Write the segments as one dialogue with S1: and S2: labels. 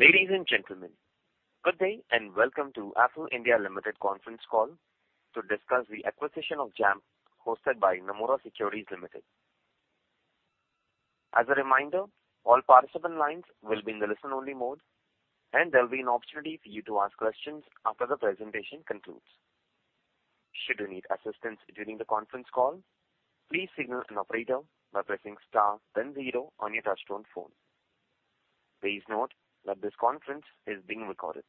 S1: Ladies and gentlemen, good day and welcome to Affle (India) Limited Conference Call to discuss the acquisition of Jampp hosted by Nomura Securities Limited. As a reminder, all participant lines will be in the listen-only mode and there will be an opportunity for you to ask questions after the presentation concludes. Should you need assistance during the conference call, please signal an operator by pressing star on your touchtone phone. Please note that this conference is being recorded.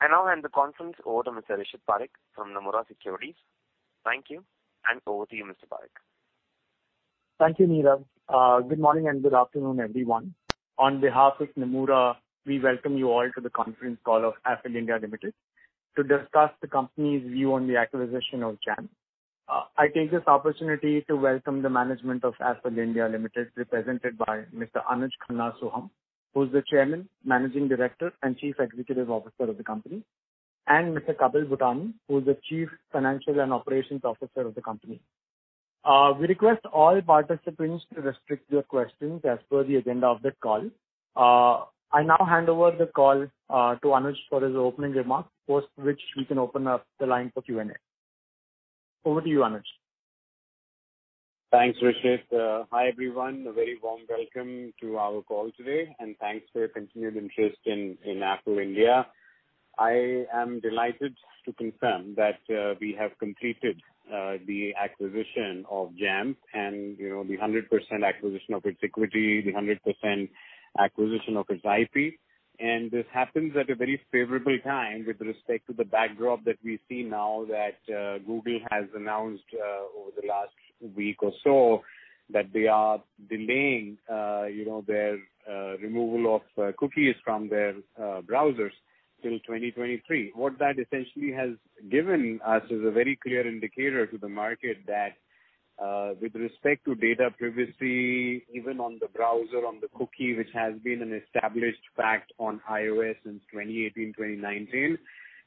S1: I now hand the conference over to Mr. Rishit Parikh from Nomura Securities. Thank you and over to you, Mr. Parikh.
S2: Thank you, Neera. Good morning and good afternoon, everyone. On behalf of Nomura, we welcome you all to the conference call of Affle (India) Limited to discuss the company's view on the acquisition of Jampp. I take this opportunity to welcome the management of Affle (India) Limited represented by Mr. Anuj Khanna Sohum who is the Chairman, Managing Director, and Chief Executive Officer of the company and Mr. Kapil Bhutani, who is the Chief Financial and Operations Officer of the company. We request all participants to restrict your questions as per the agenda of the call. I now hand over the call to Anuj for his opening remarks post which we can open up the line for Q&A. Over to you, Anuj.
S3: Thanks, Rishit. Hi everyone. A very warm welcome to our call today and thanks for your continued interest in Affle India. I am delighted to confirm that we have completed the acquisition of Jampp and you know, the 100% acquisition of its equity, the 100% acquisition of its IP and this happens at a very favorable time. With respect to the backdrop that we see now that Google has announced over the last week or so that they are delaying their removal of cookies from their browsers till 2023. What that essentially has given us is a very clear indicator to the market that with respect to data privacy, even on the browser, on the cookie, which has been an established fact on iOS since 2018-2020,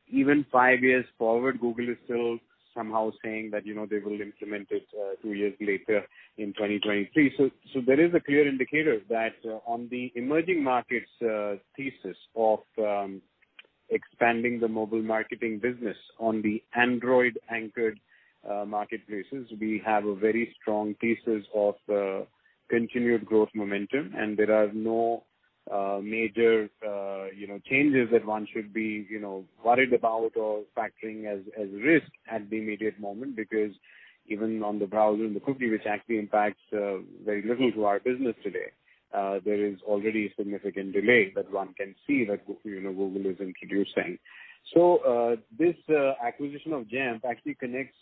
S3: even five years forward, Google is still somehow saying that, you know, they will implement it two years later in 2023, so there is a clear indicator that on the emerging markets thesis of expanding the mobile marketing business, on the Android anchored marketplaces, we have a very strong thesis of continued growth momentum and there are no major changes that one should be worried about or factoring as risk at the immediate moment. Because even on the browser and the cookie, which actually impacts very little to our business today, there is already a significant delay that one can see that Google is introducing. So this acquisition of Jampp actually connects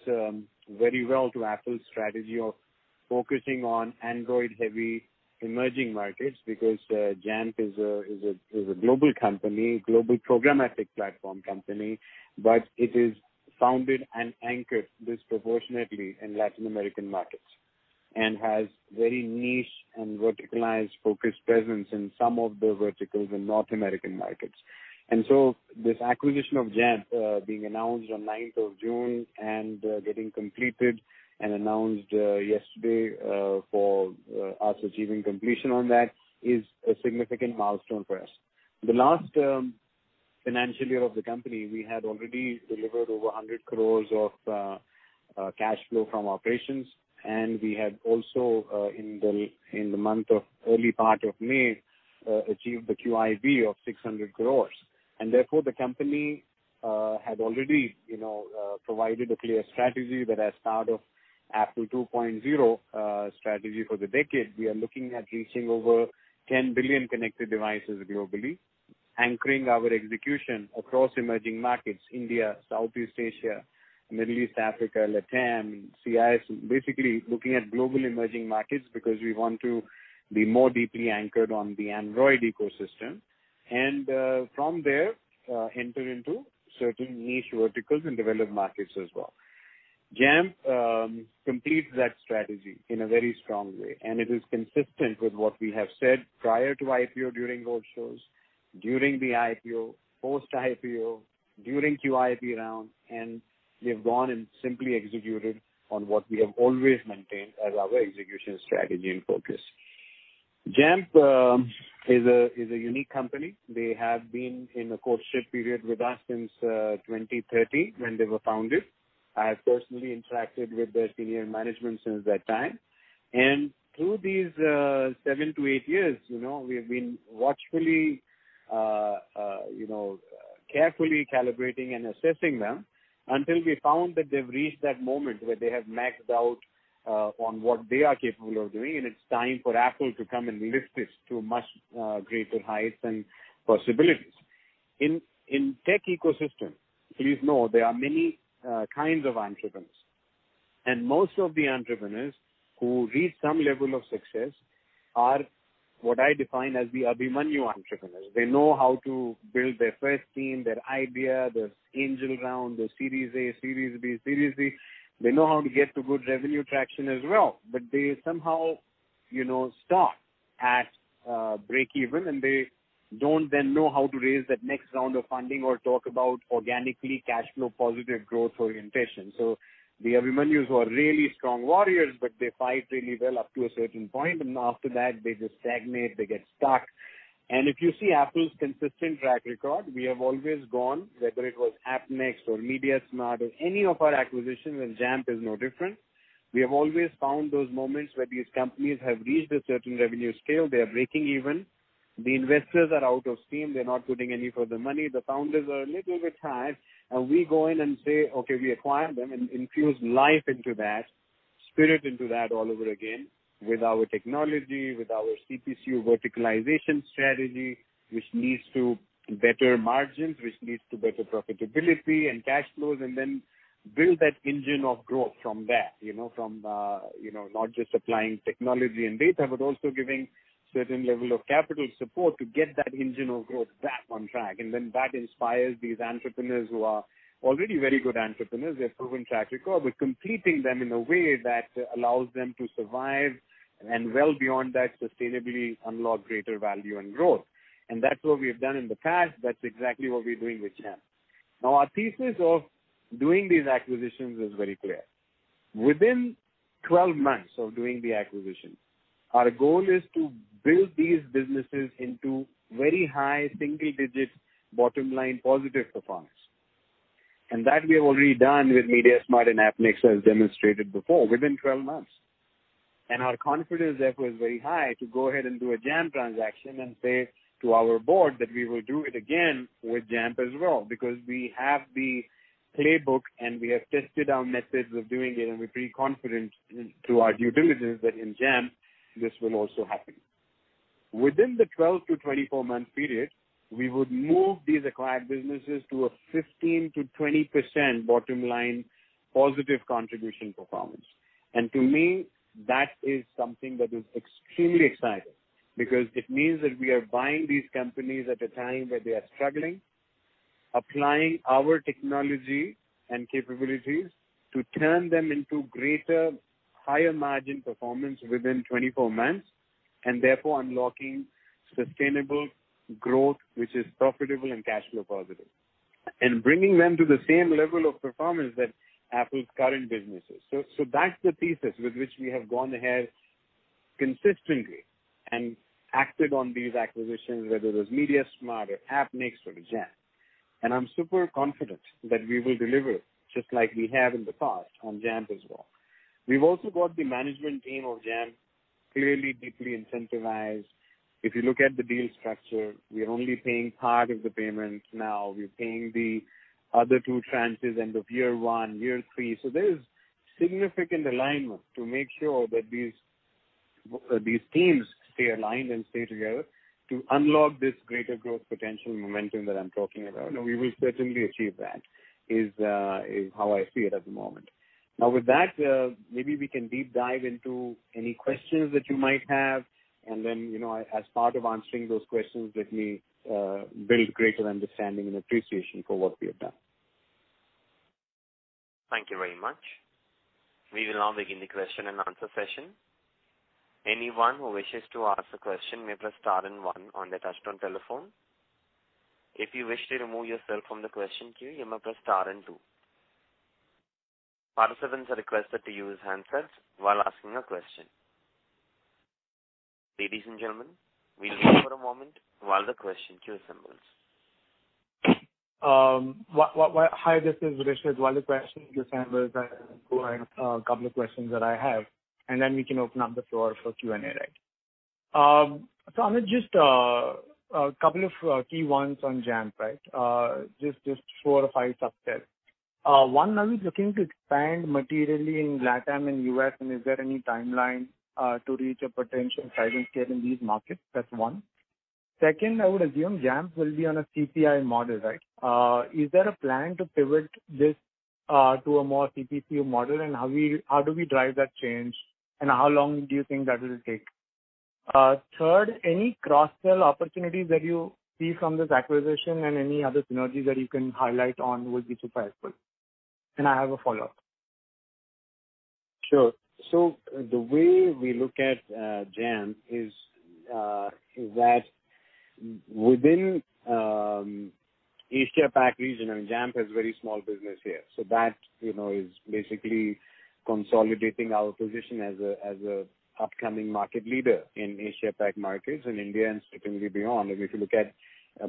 S3: very well to Affle's strategy of focusing on Android heavy emerging markets because Jampp is a global company, global programmatic platform company, but it is founded and anchored disproportionately in Latin American markets and has very niche and verticalized focused presence in some of the verticals in North American markets. And so this acquisition of Jampp being announced on 9th of June and getting completed and announced yesterday for us, achieving completion on that is a significant milestone for us. The last financial year of the company we had already delivered over 100 crores of cash flow from operations and we had also in the month of early part of May achieved the QIP of 600 crores. And therefore the company had already provided a clear strategy that as part of Affle 2.0 strategy for the decade, we are looking at reaching over 10 billion connected devices globally, anchoring our execution across emerging markets, India, Southeast Asia, Middle East, Africa, LATAM, CIS. Basically looking at global emerging markets because we want to be more deeply anchored on the Android ecosystem and from there enter into certain niche verticals in developed markets as well. Jampp completes that strategy in a very strong way, and it is consistent with what we have said prior to IPO during roadshows, during the IPO, post-IPO during QIP round, and we have gone and simply executed on what we have always maintained as our execution strategy and focus. Jampp is a unique company. They have been in a courtship period with us since 2030 when they were founded. I have personally interacted with their senior management since that time. And through these seven to eight years, you know, we have been watchfully. You know, carefully calibrating and assessing them until we found that they've reached that moment where they have maxed out on what they are capable of doing and it's time for Affle to come and lift it to much greater heights and possibilities in tech ecosystem. Please know there are many kinds of entrepreneurs and most of the entrepreneurs who reach some level of success are what I define as the Abhimanyu entrepreneurs. They know how to build their first team, their idea, their angel round, the series A, series B, Series C. They know how to get to good revenue traction as well. But they somehow start at break even and they don't then know how to raise that next round of funding or talk about organically cash flow, positive growth orientation. The Abhimanyus who are really strong warriors but they fight really well up to a certain point and after that they just stagnate, they get stuck. If you see Affle's consistent track record, we have always gone whether it was Appnext or Mediasmart or any of our acquisitions. And Jampp is no different. We have always found those moments where these companies have reached a certain revenue scale, they are breaking even, the investors are out of steam, they're not putting any further money. The founders are a little bit tired and we go in and say, okay, we acquired them and infused life into that spirit, into that all over again with our technology, with our CPC verticalization strategy, which leads to better margins, which leads to better profitability and cash flows. And then build that engine of growth from that, you know, from, you know, not just applying technology and data, but also giving certain level of capital support to get that engine of growth back on track. And then that inspires these entrepreneurs who are already very good entrepreneurs. They've proven track record. We're complementing them in a way that allows them to survive and well beyond that sustainably unlock greater value and growth. And that's what we have done in the past. That's exactly what we're doing with Jampp. Our thesis of doing these acquisitions is very clear. Within 12 months of doing the acquisition, our goal is to build these businesses into very high single-digit bottom-line positive performance. And that we have already done with Mediasmart and Appnext as demonstrated before, within 12 months. Our confidence therefore is very high to go ahead and do a Jampp transaction and say to our board that we will do it again with Jampp as well, because we have the playbook and we have tested our methods of doing it. We're pretty confident through our due diligence that in Jampp this will also happen within the 12- to 24-month period. We would move these acquired businesses to a 15%-20% bottom line positive contribution performance. To me that is something that is extreme, extremely exciting because it means that we are buying these companies at a time where they are struggling, applying our technology and capabilities to turn them into greater higher margin performance within 24 months and therefore unlocking sustainable growth which is profitable and cash flow positive and bringing them to the same level of performance that Affle's current businesses. So that's the thesis with which we have gone ahead consistently and acted on these acquisitions, whether it was Mediasmart or Appnext or Jampp. And I'm super confident that we will deliver just like we have in the past on Jampp as well. We've also got the management team of Jampp clearly deeply incentivized. If you look at the deal structure, we're only paying part of the payments. Now we're paying the other two tranches end of year one, year three. So there's significant alignment to make sure that these teams stay aligned and stay together to unlock this greater growth potential momentum that I'm talking about and we will certainly achieve that, is how I see it at the moment. Now with that, maybe we can deep dive into any questions that you might have and then, you know, as part of answering those questions, let me build greater understanding and appreciation for what we have done.
S1: Thank you very much. We will now begin the question and answer session. Anyone who wishes to ask a question may press Star and one on their touchtone telephone. If you wish to remove yourself from the question queue, you may press star and two. Participants are requested to use handsets while asking a question. Ladies and gentlemen, we'll wait for a moment while the question queue assembles.
S2: Hi, this is Rishit. While the question. A couple of questions that I have and then we can open up the floor for Q&A. Right. So Anuj, just a couple of key ones on Jampp, right? Just four or five subsets. One, are you looking to expand materially in LATAM and U.S. and is there any timeline to reach a potential size and scale in these markets? That's one. Second, I would assume Jampp will be on a CPI model, right. Is there a plan to pivot this to a more CPCU model and how do we drive that change and how long do you think that will take? Third, any cross-sell opportunities that you see from this acquisition and any other synergies that you can highlight, and we'll be surprised. I have a follow-up.
S3: Sure. So the way we look at Jampp is that within. Asia-Pac region and Jampp has very small business here. So that is basically consolidating our position as an upcoming market leader in Asia-Pac markets in India and certainly beyond. And if you look at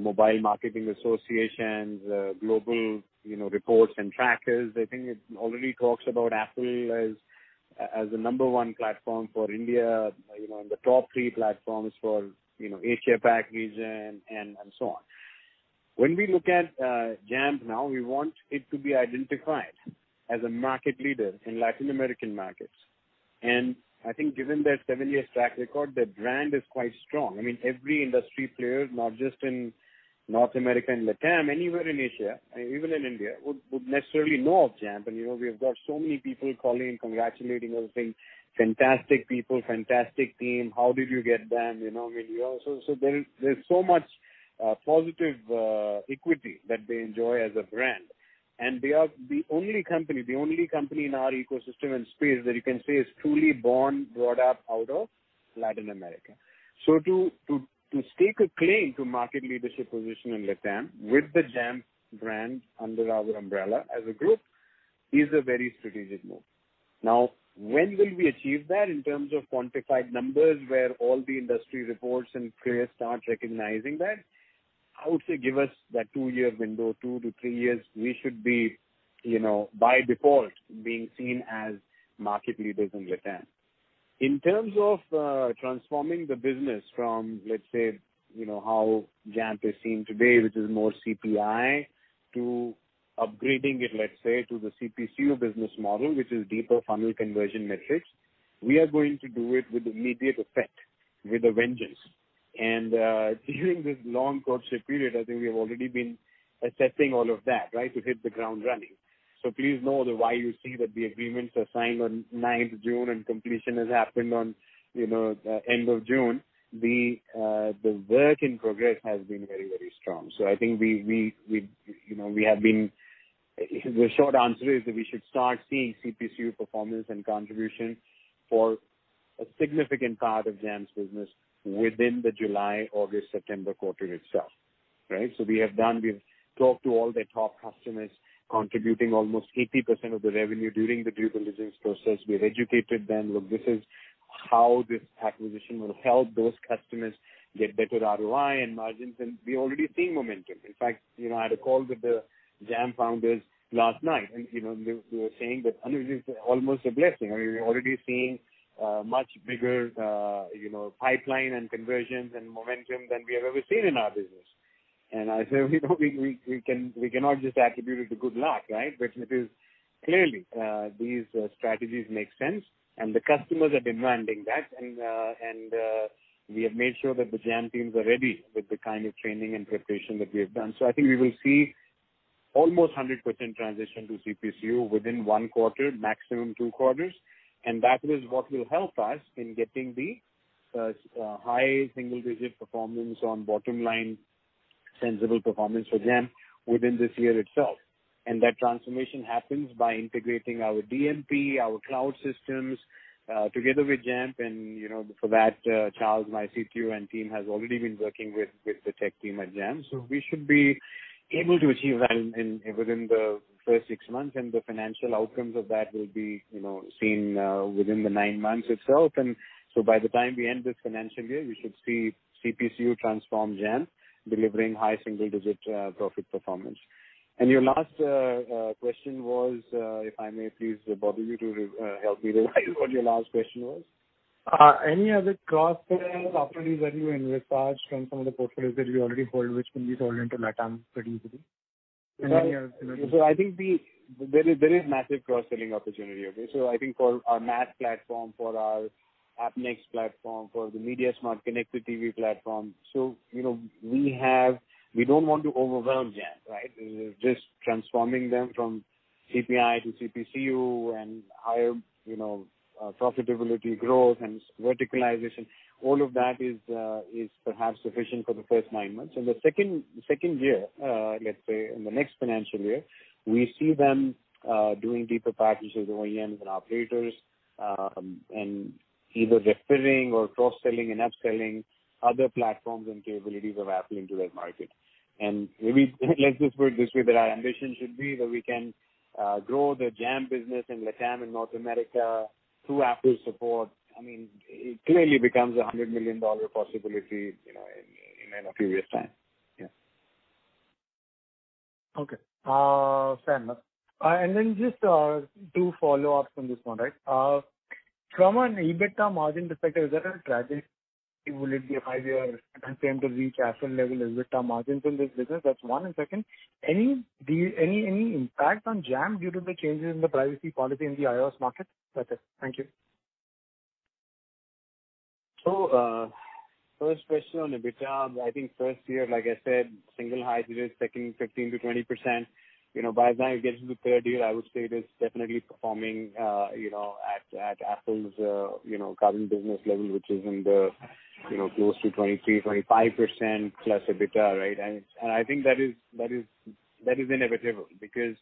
S3: mobile marketing associations, global, you know, reports and trackers, I think it already talks about Affle as the number one platform for India in the top three platforms for Asia-Pac region and so on. When we look at Jampp now, we want it to be identified as a market leader in Latin American markets. And I think given their seven-year track record, their brand is quite strong. I mean every industry player, not just in North America and Latam, anywhere in Asia, even in India would necessarily know of Jampp. And you know, we've got so many people calling and congratulating us, being fantastic people, fantastic team. How did you get them? You know, so there's so much positive equity that they enjoy as a brand and they are the only company, the only company in our ecosystem and space that you can say is truly born brought up out of Latin America. So to stake a claim to market leadership position in Latam with the Jampp brand under our umbrella as a group is a very strategic move. Now when will we achieve that in terms of quantified numbers where all the industry reports and start recognizing that? I would say give us that two year window, two to three years. We should be, you know, by default being seen as market leaders in Latam in terms of transforming the business from let's say, you know, how Jampp is seen today, which is more CPI, to upgrading it, let's say to the CPCU business model, which is deeper funnel conversion metrics. We are going to do it with immediate effect, with a vengeance. And during this long courtship period, I think we have already been assessing all of that, right, to hit the ground running. So please know that why you see that the agreements are signed on the 9th of June and completion has happened on end of June. The work in progress has been very, very strong. So I think we have been. The short answer is that we should start seeing CPCU performance and contribution for a significant part of Jampp's business within the July, August, September quarter itself. Right. So we have done, we talked to all the top customers contributing almost 80% of the revenue during the due diligence process. We've educated them, look, this is how this acquisition will help those customers get better ROI and margins. And we already see momentum. In fact, you know, I had a call with the Jampp founders last night and you know, they were saying that almost a blessing, I mean we're already seeing much bigger, you know, pipeline and conversions and momentum than we have ever seen in our business. And I say we cannot just attribute it to good luck, right? But it is clearly these strategies make sense and the customers are demanding that and we have made sure that the Jampp teams are ready with the kind of training and preparation that we have done, so I think we will see almost 100% transition to CPCU within one quarter, maximum two quarters. And that is what will help us in getting the high single digit performance on bottom line, sensible performance for Jampp within this year itself. And that transformation happens by integrating our DMP, our cloud systems together with Jampp. And you know, for that, Charles, my CTO and team has already been working with the tech team at Jampp. So we should be able to achieve that within the first six months and the financial outcomes of that will be seen within the nine months itself. And so by the time we end this financial year we should see CPCU transform Jampp, delivering high single digit profit performance. And your last question was if I may please bother you to help me revise what your last question was.
S2: Any other cross opportunities that you envisage from some of the portfolios that we already hold which can be sold into LATAM pretty easily.
S3: So I think there is massive cross selling opportunity. Okay. So I think for our MAT platform, for our Appnext platform, for the MediaSmart Connected TV platform. So, you know, we have. We don't want to overwhelm Jampp. Right. Just transforming them from CPI to CPCU and higher, you know, profitability growth and verticalization, all of that is perhaps sufficient for the first nine months. In the second year, let's say in the next financial year we see them doing deeper packages, OEMs and opportunities. And either referring or cross selling and upselling other platforms and capabilities of Affle into that market. And maybe let's just put this way that our ambition should be that we can grow the Jampp business in LATAM in North America through Apple support. I mean it clearly becomes a $100 million possibility, you know, in a previous time. Yeah.
S2: Okay, fair enough. And then just to follow up on this one. Right. From an EBITDA margin perspective, is that a target? Will it be a five-year time to reach Apple-level EBITDA margins in this business? That's one. And second, any impact on Jampp due to the changes in the privacy policy in the iOS market. Thank you.
S3: So, first question on EBITDA. I think first year, like I said, single highs it is taking 15%-20%. You know, by now it gets to the third year, I would say it is definitely performing, you know, at Affle's, you know, current business level which is in the, you know, close to 23%-25% plus EBITDA. Right. And I think that is, that is, that is inevitable because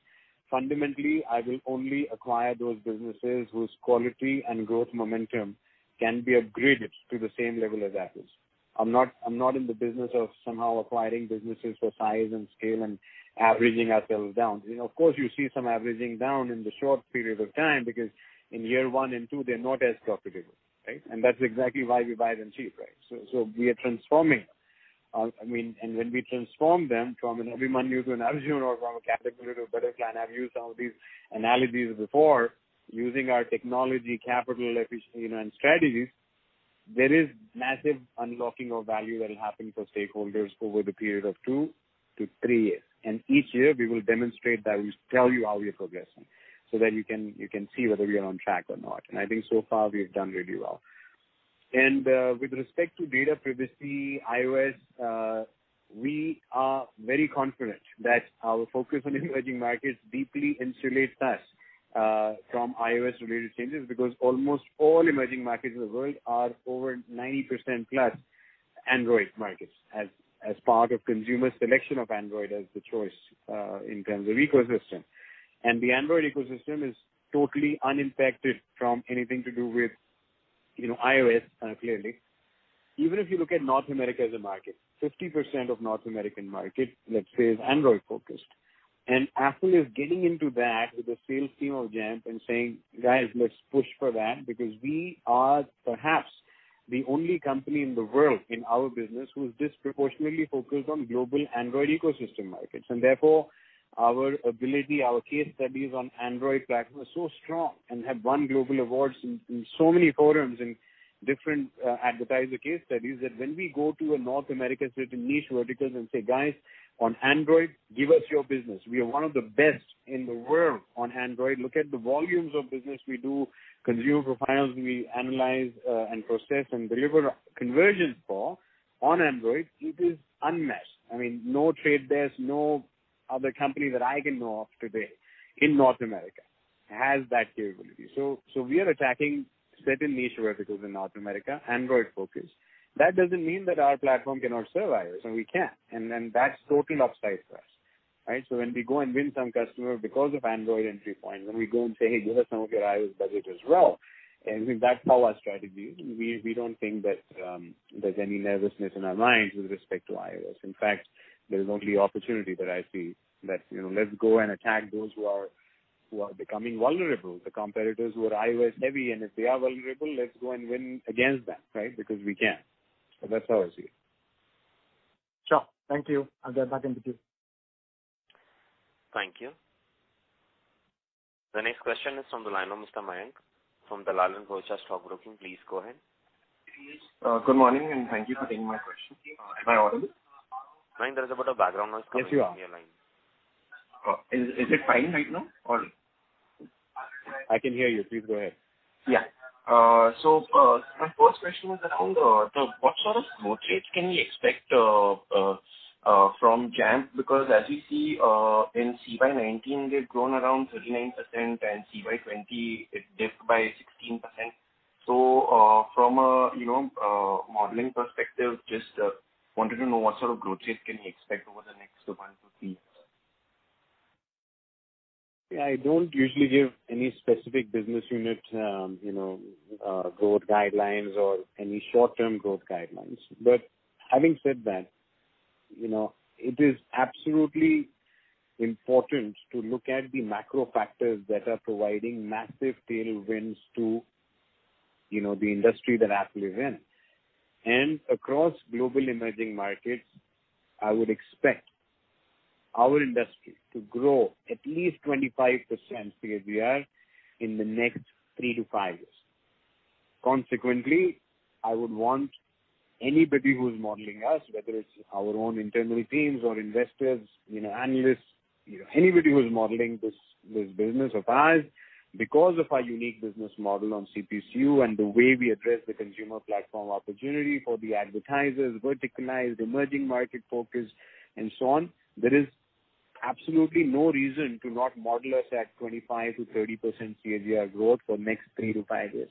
S3: fundamentally I will only acquire those businesses whose quality and growth momentum can be upgraded to the same level as Affle's. I'm not in the business of somehow acquiring businesses for size and scale and averaging ourselves down. Of course you see some averaging down in the short period of time because in year one and two they're not as profitable. And that's exactly why we buy them cheap. Right. So we are transforming. I mean, and when we transform them from an every month new to an or from a category to a product line, I've used all these analogies before, using our technology, capital efficiency, and strategies, there is massive unlocking of value that will happen for stakeholders over the period of two to three years, and each year we will demonstrate that we tell you how we are progressing so that you can see whether we are on track or not, and I think so far we have done really well, and with respect to data privacy, iOS, we are very confident that our focus on emerging markets deeply insulate us from iOS related changes. Because almost all emerging markets in the world are over 90% plus Android markets as part of consumer selection of Android as the choice in terms of ecosystem. And the Android ecosystem is totally unaffected from anything to do with iOS. Clearly, even if you look at North America as a market, 50% of North American market, let's say, is Android focused. And Affle is getting into that with the sales team of Jampp and saying guys, let's push for that. Because we are perhaps the only company in the world in our business who is disproportionately focused on global Android ecosystem markets and therefore our ability. Our case studies on Android platform is so strong and have won global awards in so many forums and different advertiser case studies that when we go to a North America certain niche verticals and say guys, on Android, give us your business. We are one of the best in the world on Android. Look at the volumes of business we do consumer profiles, we analyze and process and deliver conversions for on Android. It is unmatched. I mean no Trade Desk, no other company that I can know of today in North America has that capability. So we are attacking certain niche verticals in North America, Android focused. That doesn't mean that our platform cannot serve iOS and we can't, and that's total upside for us. Right. So when we go and win some customer because of Android entry point, when we go and say, hey, give us some of your iOS budget as well and that's how our strategy is. We don't think that there's any nervousness in our minds with respect to iOS. In fact, there's only opportunity that I see that, you know, let's go and attack those who are becoming vulnerable, the competitors who are iOS heavy and if they are vulnerable, let's go and win against them. Right. Because we can. So that's how I see it.
S2: Sure. Thank you. I'll get back into.
S1: Thank you. The next question is from the line of Mr. Mayank from Dalal & Broacha. Please go ahead.
S4: Good morning and thank you for taking my question. Am I audible?
S1: There is a bit of background noise.
S4: Is it fine right now, or
S3: I can hear you? Please go ahead.
S4: Yeah. So my first question was around what sort of growth rates can we expect. From Jampp? Because as you see in CY19 they've grown around 39% and CY20, it dipped by 16%. So from a, you know, modeling perspective, just wanted to know what sort of growth rate can you expect over the next one to three years?
S3: I don't usually give any specific business unit growth guidelines or any short term growth guidelines. But having said that, it is absolutely important to look at the macro factors that are providing massive tailwinds to the industry that Affle is in and across global emerging markets. I would expect our industry to grow at least 25% CAGR in the next three to five years. Consequently, I would want anybody who's modeling us, whether it's our own internal teams or investors, analysts, anybody who is modeling this business of ours. Because of our unique business model on CPCU and the way we address the consumer platform opportunity for the advertisers, verticalized emerging market focus and so on, there is absolutely no reason to not model us at 25%-30% CAGR for next three to five years.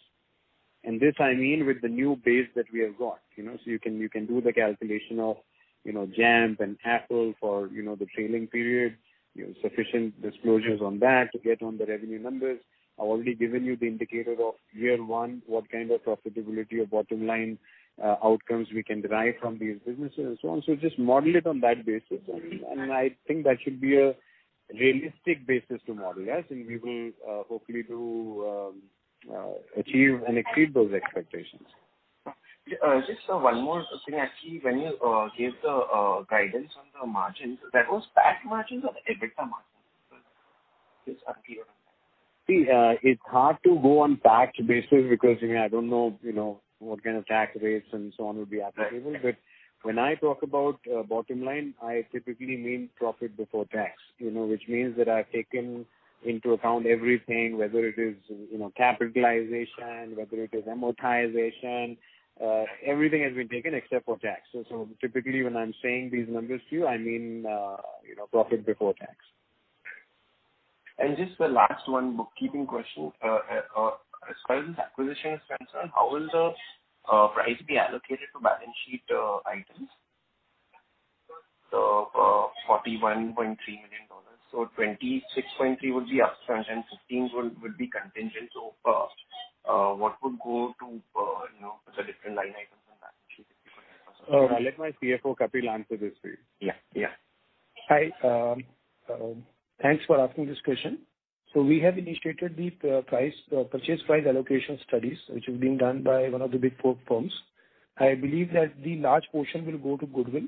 S3: And this, I mean, with the new base that we have got, you know, so you can do the calculation of, you know, Jampp and Affle for, you know, the trailing period, you know. Sufficient disclosures on that to get on the revenue numbers. I've already given you the indicator of year one, what kind of profitability or bottom line outcomes we can derive from these businesses and so on. So just model it on that basis and I think that should be a realistic basis to model. Yes, and we will hopefully to achieve and exceed those expectations.
S4: Just one more thing, actually. When you gave the guidance on the margins, that was PAT margins or EBITDA margins.
S3: See, it's hard to go on patch basis because I don't know, you know, what kind of tax rates and so on will be applicable, but when I talk about bottom line, I typically mean profit before tax, you know, which means that I've taken into account everything, whether it is, you know, capitalization, whether it is amortization, everything has been taken except for taxes, so typically when I'm saying these numbers to you, I mean, you know, profit before tax.
S4: Just the last one, bookkeeping question as far as acquisition is concerned, how will the price be allocated to balance sheet items? So $41.3 million. So 26.3 would be up front and 15 would be contingent. So what would go to, you know, the different line items.
S5: For this? Yeah, yeah, hi, thanks for asking this question. So we have initiated the price, the purchase price allocation studies which have been done by one of the big four firms. I believe that the large portion will go to Goodwill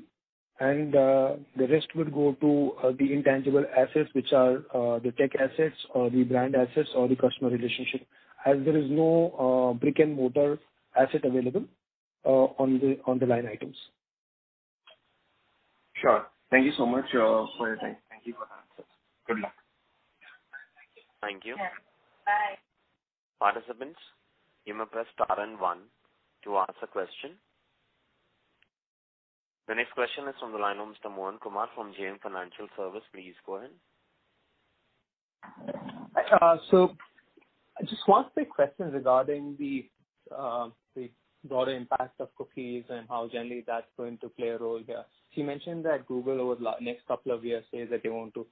S5: and the rest would go to the intangible assets which are the tech assets or the brand assets or the customer relationship as there is no brick and mortar asset available on the line items.
S4: Sure. Thank you so much for your time. Thank you for the answers. Good luck.
S1: Thank you. Bye. Participants, you may press star and one to ask a question. The next question is from the line of Mr. Mohan Kumar from JM Financial Services. Please go ahead.
S6: So just one quick question regarding the broader impact of cookies and how generally that's going to play a role here. She mentioned that Google over next couple of years says that they want to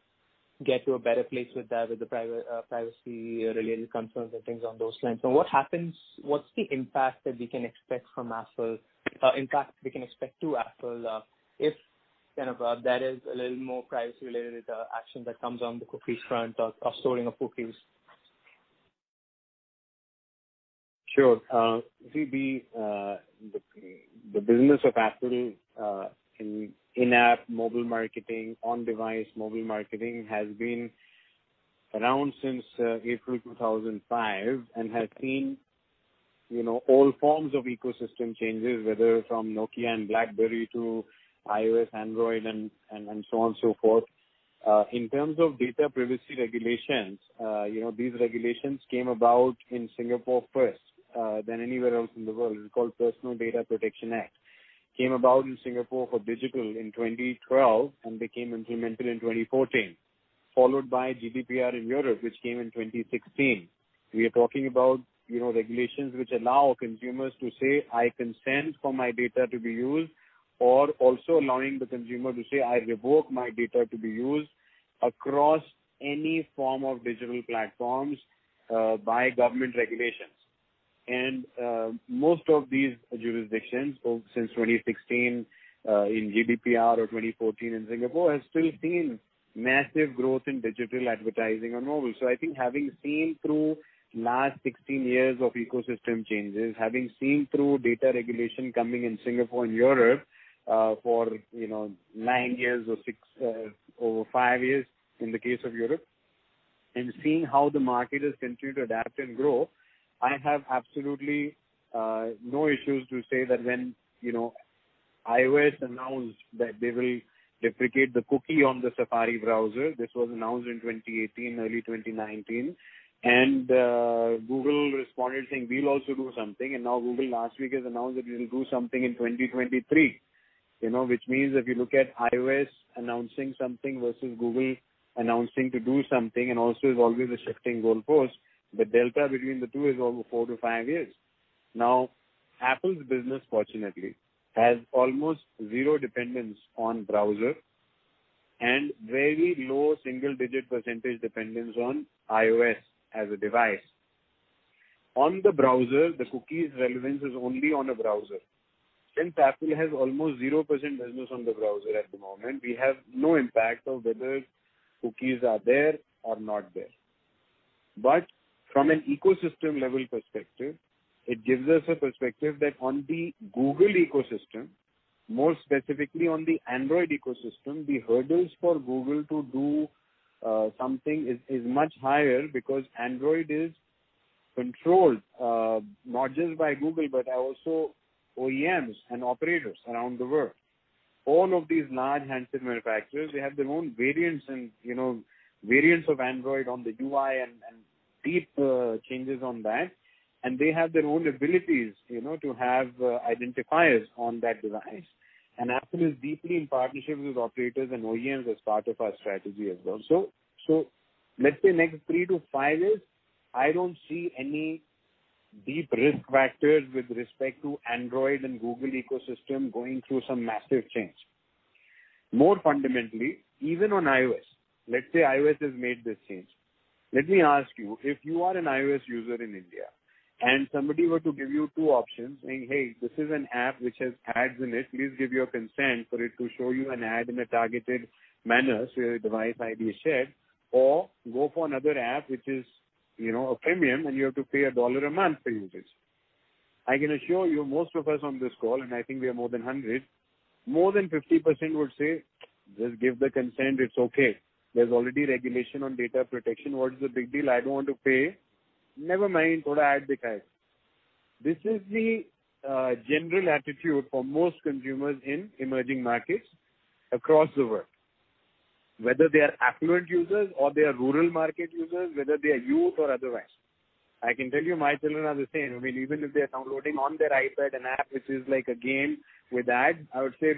S6: get to a better place with that, with the privacy-related concerns and things along those lines. So what happens? What's the impact that we can expect from Affle? In fact, we can expect to Affle if there is a little more privacy-related action that comes on the cookies front of storing of cookies.
S3: Sure. The business of Affle in-app mobile marketing, on-device mobile marketing has been around since April 2005 and has seen, you know, all forms of ecosystem changes, whether from Nokia and BlackBerry to iOS, Android and so on, so forth in terms of data privacy regulations. You know, these regulations came about in Singapore first than anywhere else in the world called Personal Data Protection Act came about in Singapore for digital in 2012 and became implemented in 2014 followed by GDPR in Europe which came in 2016. We are talking about, you know, regulations which allow consumers to say, "I consent for my data to be used," or also allowing the consumer to say, "I revoke my data to be used," across any form of digital platforms by government regulations. And most of these jurisdictions since 2016 in GDPR or 2014 in Singapore have still seen massive growth in digital advertising on mobile. So I think, having seen through last 16 years of ecosystem changes, having seen through data regulation coming in Singapore and Europe for, you know, nine years or six over five years in the case of Europe and seeing how the market is continue to grow, I have absolutely no issues to say that when, you know, iOS announced that they will deprecate the cookie on the Safari browser. This was announced in 2018, early 2019 and Google responded saying we'll also do something. And now Google last week has announced that it will do something in 2023. You know, which means if you look at iOS announcing something versus Google announcing to do something and also is always a shifting goal post the delta between the two is over four to five years now. Affle's business fortunately has almost zero dependence on browser and very low single-digit percentage dependence on iOS as a device on the browser. The cookies' relevance is only on a browser. Since Affle has almost 0% business on the browser at the moment, we have no impact of whether cookies are there or not there. But from an ecosystem level perspective, it gives us a perspective that on the Google ecosystem, more specifically on the Android ecosystem, the hurdles for Google to do something is much higher because Android is controlled not just by Google, but also OEMs and operators around the world. All of these large handset manufacturers, they have their own variants and you know, variants of Android on the UI and deep changes on that and they have their own abilities, you know, to have identifiers on that device. And Affle is deeply in partnership with operators and OEMs as part of our strategy as well. So, so let's say next three to five years, I don't see any deep risk factors with respect to Android and Google ecosystem going through some massive change. More fundamentally, even on iOS, let's say iOS has made this change. Let me ask you, if you are an iOS user in India and somebody were to give you two options saying hey, this is an app which has ads in it, please give your consent for it to show you an ad in a targeted manner where device ID shared or go for another app which is, you know, a premium and you have to pay $1 a month to use it. I can assure you, most of us on this call, and I think we are more than 100, more than 50% would say just give the consent, it's okay. There's already regulation on data protection. What is the big deal? I don't want to pay. Never mind. This is the general attitude for most consumers in emerging markets across the world. Whether they are affluent users or they are rural market users, whether they are you or otherwise, I can tell you my children are the same. I mean even if they are downloading on their iPad an app which is like a game with ad, I would say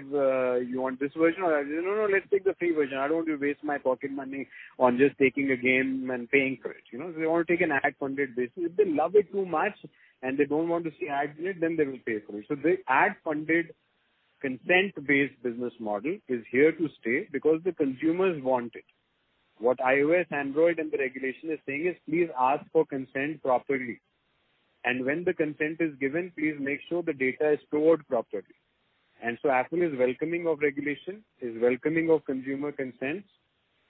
S3: you want this version? No, no, let's take the free version. I don't want to waste my pocket money on just taking a game and paying for it. You know, they want to take an ad-funded business. If they love it too much and they don't want to see ad, then they will pay for it. So they ad-funded consent-based business model is here to stay because the consumers want it. What iOS, Android, and the regulation is saying is please ask for consent properly. And when the consent is given. Please make sure the data is stored properly. And so Affle is welcoming of regulation, is welcoming of consumer consent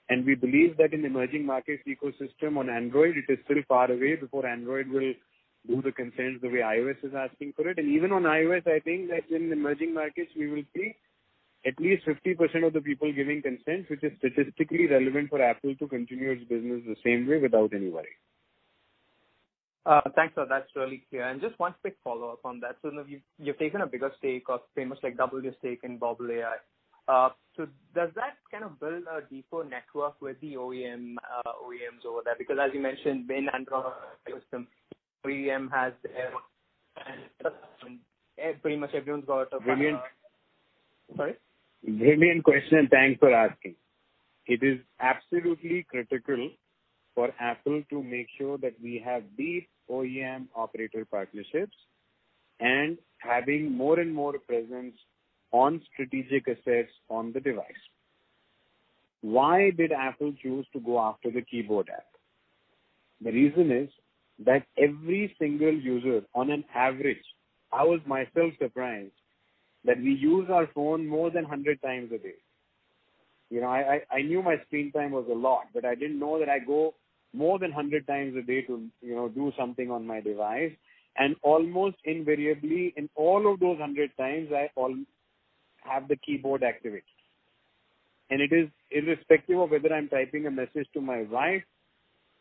S3: and we believe that in emerging markets, ecosystem on Android it is still far away before Android will do the consent the way iOS is asking for it. And even on iOS I think that in emerging markets we will see at least 50% of the people giving consent which is statistically relevant for Affle to continue its business the same way without any worry.
S6: Thanks, that's really clear. And just one quick follow up on that. So you've taken a bigger stake or pretty much like double your stake in Bobble AI. So does that kind of build a deeper network with the OEMs over there? Because as you mentioned being an OEM has. Pretty much everyone's got a
S3: brilliant,
S4: sorry,
S3: brilliant question. Thanks for asking. It is absolutely critical for Affle to make sure that we have deep OEM operator partnerships and having more and more presence on strategic assets on the device. Why did Affle choose to go after the keyboard app? The reason is that every single user on an average, I was myself surprised that we use our phone more than 100 times a day. I knew my screen time was a lot, but I didn't know that I go more than 100 times a day to do something on my device and almost invariably in all of those 100 times I have the keyboard activated. And it is irrespective of whether I'm typing a message to my wife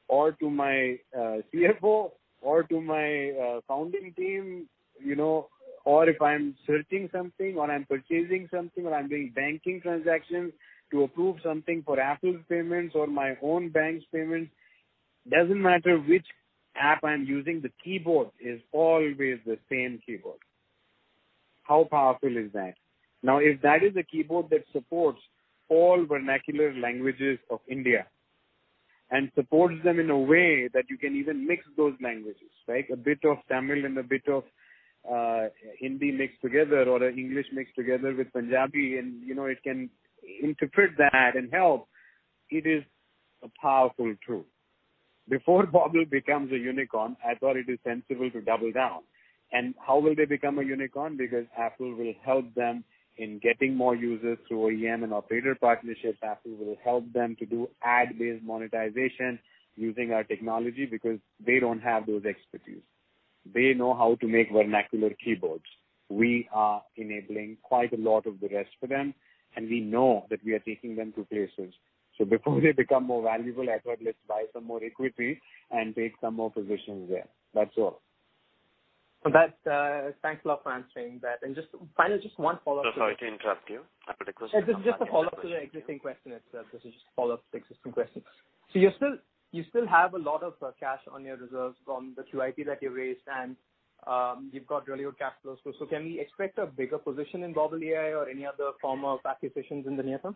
S3: or to my CFO or to my founding team, you know, or if I'm searching something or I'm purchasing something or I'm doing banking transactions to approve something for Affle's payments or my own bank's payments, doesn't matter which app I'm using, the keyboard is always the same keyboard. How powerful is that? Now if that is a keyboard that supports all vernacular languages of India and supports them in a way that you can even mix those languages like a bit of Tamil and a bit of Hindi mixed together or English mixed together with Punjabi and you know, it can interpret that and help. It is a powerful tool. Before Bobble becomes a unicorn, I thought it is sensible to double down. And how will they become a unicorn? Because Affle will help them in getting more users through OEM and operator partnership. Affle will help them to do ad based monetization using our technology because they don't have those expertise. They know how to make vernacular keyboards. We are enabling quite a lot of the rest for them and we know that we are taking them to places, so before they become more valuable at all, let's buy some more equity and take some more positions there. That's all.
S6: Thanks a lot for answering that. And just, finally, just one follow up.
S1: Sorry to interrupt you.
S6: This is just a follow up to the existing question itself. This is just a follow up to the existing question. So you still have a lot of cash on your reserves from the QIP that you raised, and you've got really good cash flows. So can we expect a bigger position in Bobble AI or any other form of acquisitions in the near term?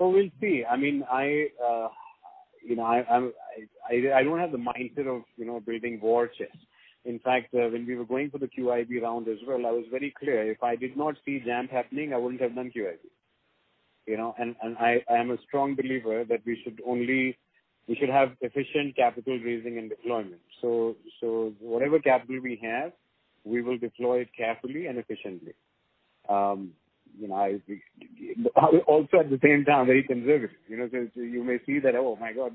S3: So we'll see. I mean, I, you know, I don't have the mindset of, you know, building war chest. In fact, when we were going for the QIB round as well, I was very clear if I did not see Jampp happening, I wouldn't have done QIB, you know, and I am a strong believer that we should only, we should have efficient capital raising and deployment. So whatever capital we have, we will deploy it carefully and efficiently. Also, at the same time, very conservative. You know, you may see that, oh my God,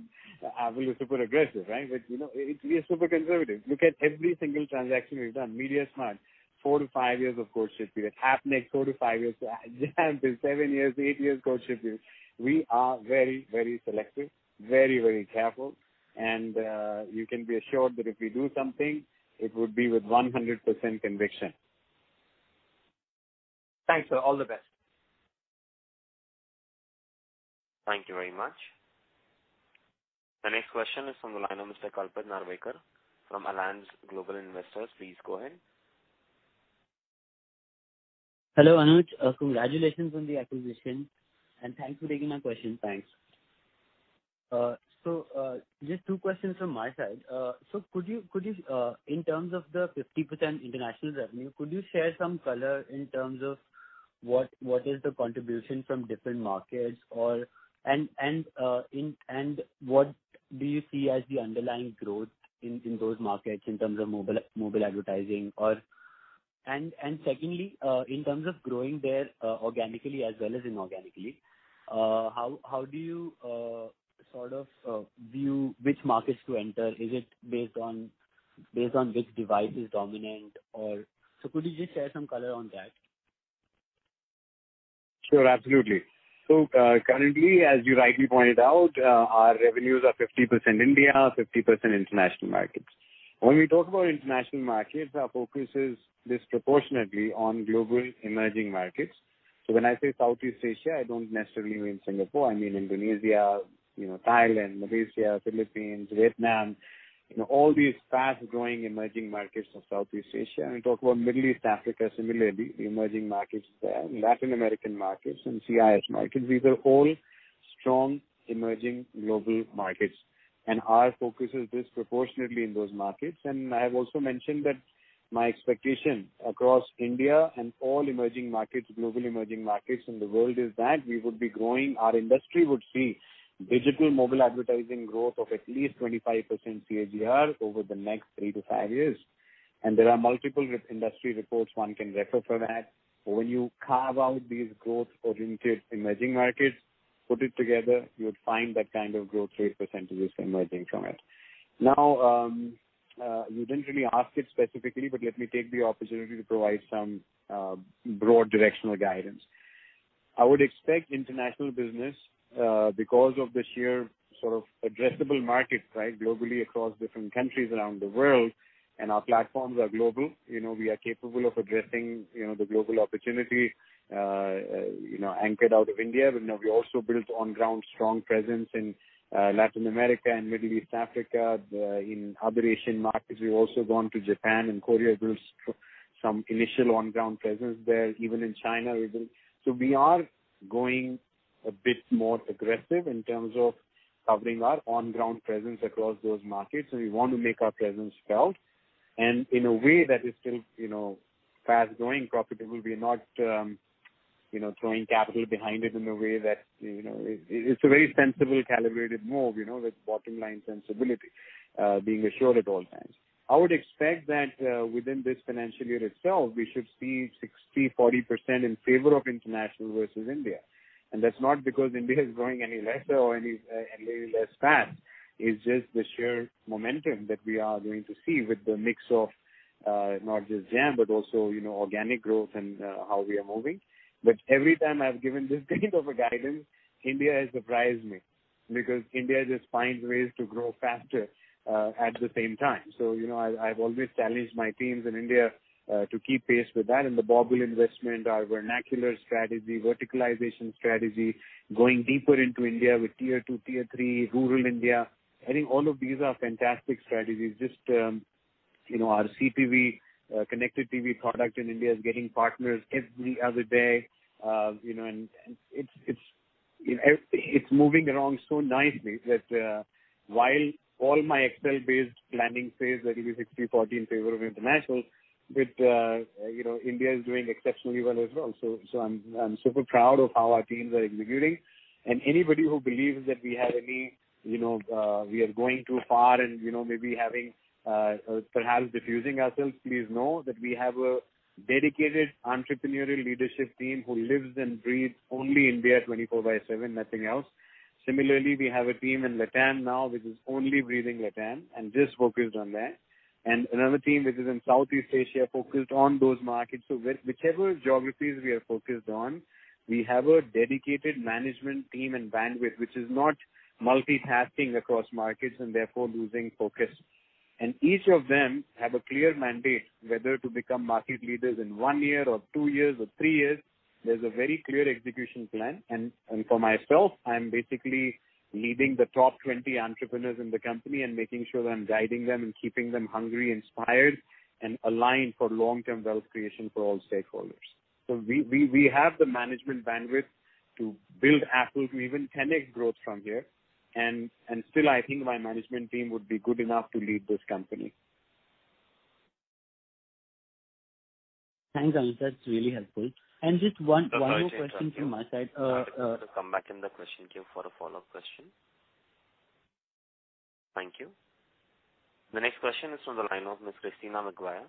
S3: Affle is super aggressive, right? But you know, it is super conservative. Look at every single transaction we've done. Mediasmart, four to five years of courtship. Appnext, four to five years, seven years, eight years courtship. We are very, very selective. Very, very careful. And you can be assured that if we do something, it would be with 100% conviction.
S6: Thanks sir. All the best.
S1: Thank you very much. The next question is from the line of Mr. Kalpit Narvekar from Allianz Global Investors. Please go ahead.
S7: Hello Anuj, congratulations on the acquisition and thanks for taking my question. Thanks. Just two questions from my side. Could you, in terms of the 50% international revenue, could you share some color in terms of what is the contribution from different markets? What do you see as the underlying growth in those markets in terms of mobile advertising? And secondly, in terms of growing there organically as well as inorganically, how do you sort of view which markets to enter? Is it based on which device is dominant or? So could you just share some color on that?
S3: Sure, absolutely. So currently, as you rightly pointed out, our revenues are 50% India, 50% international markets. When we talk about international markets, our focus is disproportionately on global emerging markets. So when I say Southeast Asia, I don't necessarily mean Singapore, I mean Indonesia, Thailand, Malaysia, Philippines, Vietnam, all these fast growing emerging markets of Southeast Asia and talk about Middle East, Africa, similarly, the emerging markets there, Latin American markets and CIS markets, these are all strong emerging global markets and our focus is disproportionately in those markets. And I've also mentioned that my expectation across India and all emerging markets, global emerging markets in the world, is that we would be growing, our industry would see digital mobile advertising growth of at least 25% CAGR over the next three to five years. And there are multiple industry reports, one can refer for that. When you carve out these growth oriented emerging markets, put it together, you'll find that kind of growth rate percentage is emerging from it. Now you didn't really ask it specifically, but let me take the opportunity to provide some broad directional guidance. I would expect international business because of the sheer sort of addressable market right globally, across different countries around the world, and our platforms are global. We are capable of addressing the global opportunity. Anchored out of India. We also built on ground strong presence in Latin America and Middle East, Africa, in other Asian markets. We've also gone to Japan and Korea, built some initial on ground presence there, even in China. So we are going a bit more aggressive in terms of covering our on ground presence across those markets. And we want to make our presence felt and in a way that is still fast growing profitable. We are not throwing capital behind it in a way that, you know, it's a very sensible calibrated move. You know, with bottom line sensibility being assured at all times. I would expect that within this financial year itself we should see 60%-40% in favor of international versus India. And that's not because India is growing any lesser or any less fast. It's just the sheer momentum that we are going to see with the mix of not just Jampp, but also, you know, organic growth and how we are moving. But every time I've given this kind of a guidance, India has surprised me because India just finds ways to grow faster at the same time. So, you know, I've always challenged my teams in India to keep pace with that and the Bobble investment. Our vernacular strategy, verticalization strategy, going deeper into India with tier 2, tier 3 rural India. I think all of these are fantastic strategies. Just, you know, our CPV connected TV product in India is getting partners every other day, you know, and. It's moving along so nicely that while all my Excel-based planning says that it'll be 60, 40 in favor of international. You know, India is doing exceptionally well as well. So I'm super proud of how our teams are executing and anybody who believes that we have any, you know, we are going too far and you know, maybe having perhaps diffusing ourselves, please know that we have a dedicated entrepreneurial leadership team who lives and breathes only India 24/7, nothing else. Similarly, we have a team in LATAM now which is only breathing LATAM and just focused on that and another team which is in Southeast Asia focused on those markets. So whichever geographies we are focused on, we have a dedicated management team and bandwidth which is not multitasking across markets and therefore losing focus. And each of them have a clear mandate whether to become market leaders in one year or two years or three years. There's a very clear execution plan and for myself I'm basically leading the top 20 entrepreneurs in the company and making sure that I'm guiding them and keeping them hungry, inspired and aligned for long-term wealth creation for all stakeholders. So we have the management bandwidth to build Affle to even 10x growth from here. And still I think my management team would be good enough to lead this company.
S7: Thanks Anuj, that's really helpful, and just one more question from my side.
S1: Come back in the question queue for a follow-up question. Thank you. The next question is from the line of Ms. Christina McGuire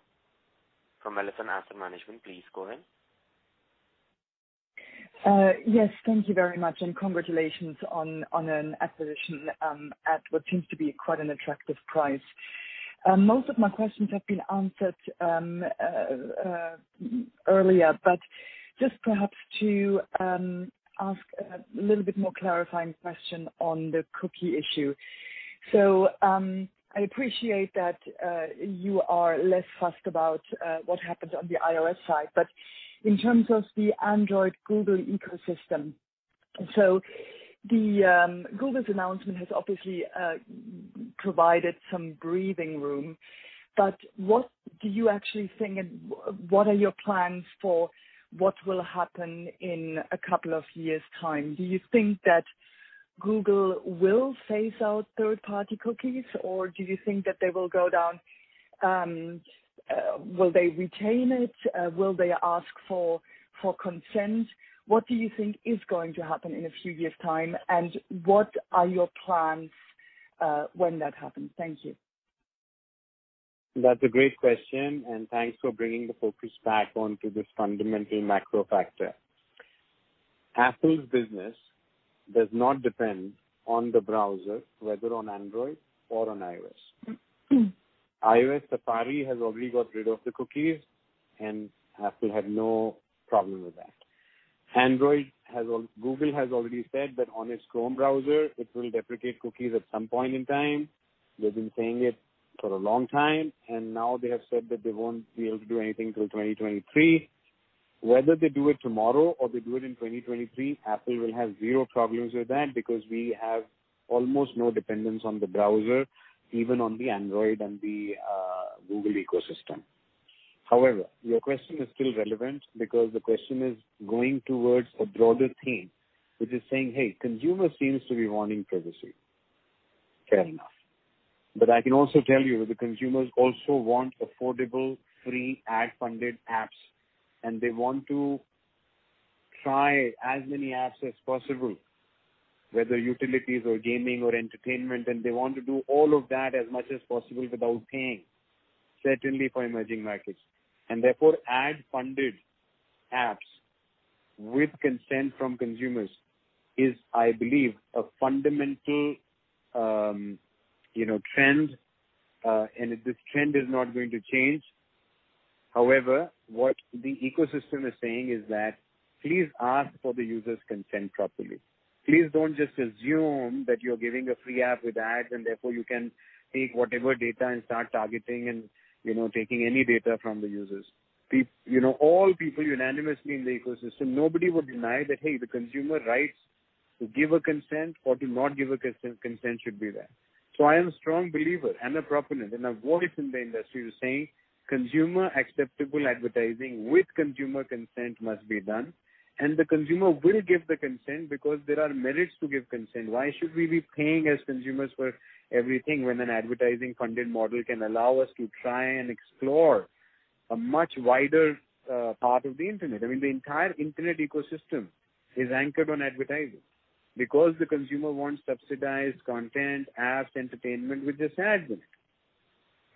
S1: from Elephant Asset Management. Please go in.
S8: Yes, thank you very much and congratulations on an acquisition at what seems to be quite an attractive price. Most of my questions have been answered. Earlier, but just perhaps to ask a little bit more clarifying question on the cookie issue. So I appreciate that you are less fussed about what happens on the iOS side, but in terms of the Android Google ecosystem. So Google's announcement has obviously provided some breathing room, but what do you actually think? What are your plans for what will happen in a couple of years' time? Do you think that Google will phase out third-party cookies or do you think that they will go down? Will they retain it? Will they ask for consent? What do you think is going to happen in a few years time and what are your plans when that happens? Thank you.
S3: That's a great question and thanks for bringing the focus back onto this fundamental macro factor. Affle's business does not depend on the browser, whether on Android or on iOS. Safari has already got rid of the cookies and Affle had no problem with that. Android has. Google has already said that on its Chrome browser it will deprecate cookies at some point in time. They've been saying it for a long time and now they have said that they won't be able to do anything until 2023. Whether they do it tomorrow or they do it in 2023. Affle will have zero problems with that because we have almost no dependence on the browser even on the Android and the Google ecosystem. However, your question is still relevant because the question is going towards a broader theme which is saying hey, consumer seems to be wanting privacy. Fair enough. But I can also tell you the consumers also want affordable, free ad funded apps and they want to try as many apps as possible, whether utilities or gaming or entertainment. And they want to do all of that as much as possible without paying, certainly for emerging markets. And therefore ad funded apps with consent from consumers is I believe a fundamental trend and this trend is not going to change. However, what the ecosystem is saying is that please ask for the user's consent properly. Please don't just assume that you're giving a free app with ads and therefore you can take whatever data and start targeting and you know, taking any data from the users, you know, all people unanimously in the ecosystem, nobody would deny that, hey, the consumer rights to give a consent or to not give a consent should be there, so I am a strong believer and a proponent in a voice in the industry you're saying consumer acceptable advertising with consumer consent must be done and the consumer will give the consent because there are merits to give consent. Why should we be paying as consumers for everything when an advertising funded model can allow us to try and explore a much wider part of the Internet? I mean the entire Internet ecosystem is anchored on advertising because the consumer wants subsidized content, apps, entertainment with this ad.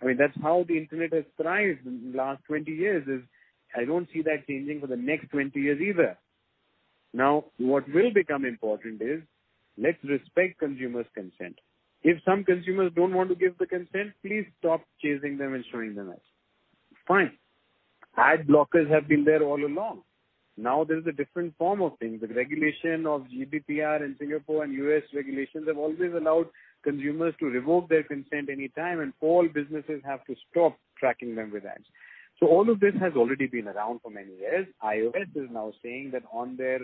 S3: I mean that's how the Internet has thrived in the last 20 years. I don't see that changing for the next 20 years either. Now what will become important is let's respect consumers consent. If some consumers don't want to give the consent, please stop chasing them and showing them ads. Fine. Ad blockers have been there all along. Now there is a different form of things. The regulation of GDPR in Singapore and U.S. regulations have always allowed consumers to revoke their consent anytime. And all businesses have to stop tracking them with ads. So all of this has already been around for many years. iOS is now saying that. On their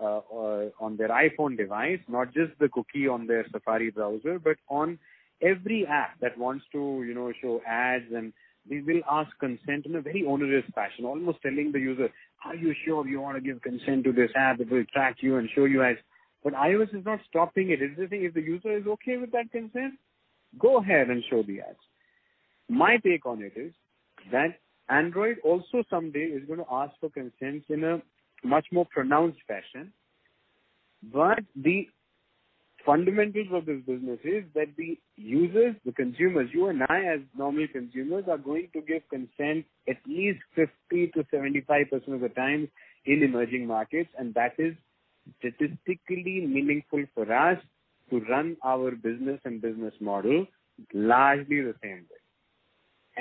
S3: iPhone device, not just the cookie on their Safari browser, but on every app that wants to show ads, and they will ask consent in a very onerous fashion, almost telling the user, are you sure you want to give consent to this app? It will track you and show you ads, but iOS is not stopping it, if the user is okay with that consent, go ahead and show the ads. My take on it is that Android also someday is going to ask for consent in a much more pronounced fashion, but the fundamentals of this business is that the users, the consumers, you and I as normal consumers are going to give consent at least 50%-75% of the time in emerging markets and that is statistically meaningful for us to run our business and business model largely the same way.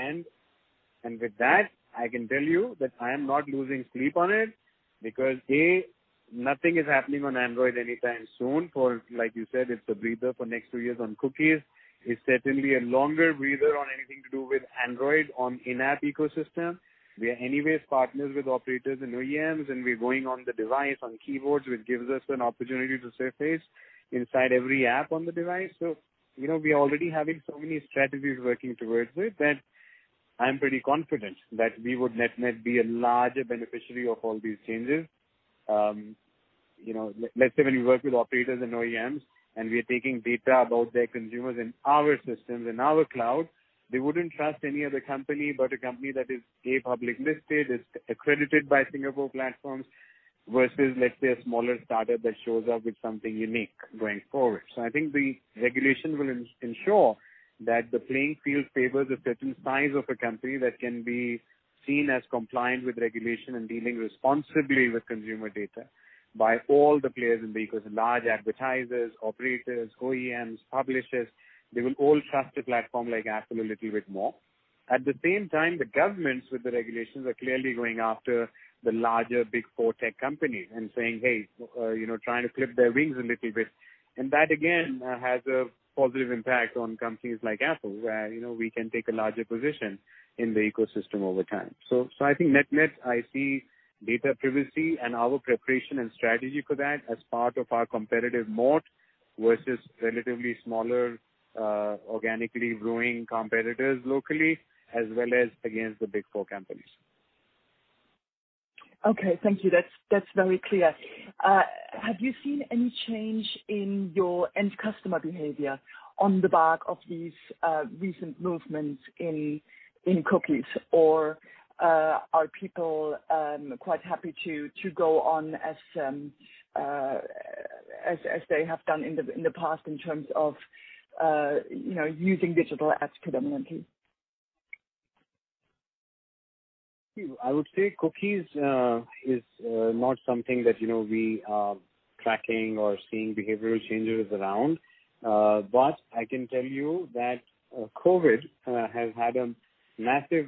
S3: And with that, I can tell you that I am not losing sleep on it because nothing is happening on Android anytime soon. Like you said, it's the breather for next two years on cookies. It's certainly a longer breather on anything to do with Android on in app ecosystem. We are anyways partners with operators and OEMs and we're going on the device on keyboards which gives us an opportunity to surface inside every app on the device. So you know, we already having so many strategies working towards it that I'm pretty confident that we would net net be a larger beneficiary of all these changes. You know, let's say when you work with operators and OEMs and we are taking data about their consumers in our systems, in our cloud, they wouldn't trust any other company but a company that is a public listed, is accredited by Singapore platforms versus let's say a smaller startup that shows up with something unique going forward. So I think the regulation will ensure that the playing field favors a certain size of a company that can be seen as compliant with regulation and dealing responsibly with consumer data by all the players. And because large advertisers, operators, OEMs, publishers, they will all trust a platform like Affle a little bit more. At the same time, the governments with the regulations are clearly going after the larger big core tech companies and saying hey, you know, trying to clip their wings a little bit. And that again has a positive impact on companies like Affle where you know, we can take a larger position in the ecosystem over time. So I think net net, I see data privacy and our preparation and strategy for that as part of our competitive mode versus relatively smaller organically growing competitors locally as well as against the big four companies.
S8: Okay, thank you, that's very clear. Have you seen any change in your end customer behavior on the back of these recent movements in cookies or are people quite happy to go on? As they have done in the past? In terms of. Using digital as predominantly?
S3: I would say cookies is not something that we are tracking or seeing behavioral changes around. But I can tell you that COVID has had a massive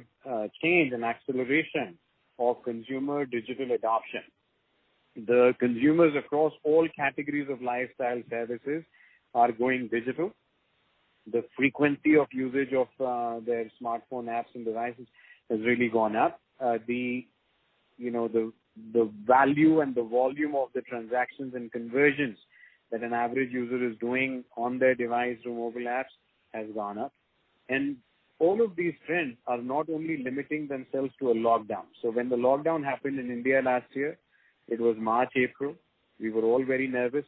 S3: change and acceleration of consumer digital adoption. The consumers across all categories of lifestyle services are going digital. The frequency of usage of their smartphone apps and devices has really gone up. The value and the volume of the transactions and conversions that an average user is doing on their device or mobile apps has gone up. And all of these trends are not only limiting themselves to a lockdown. So when the lockdown happened in India last year, it was March, April, we were all very nervous.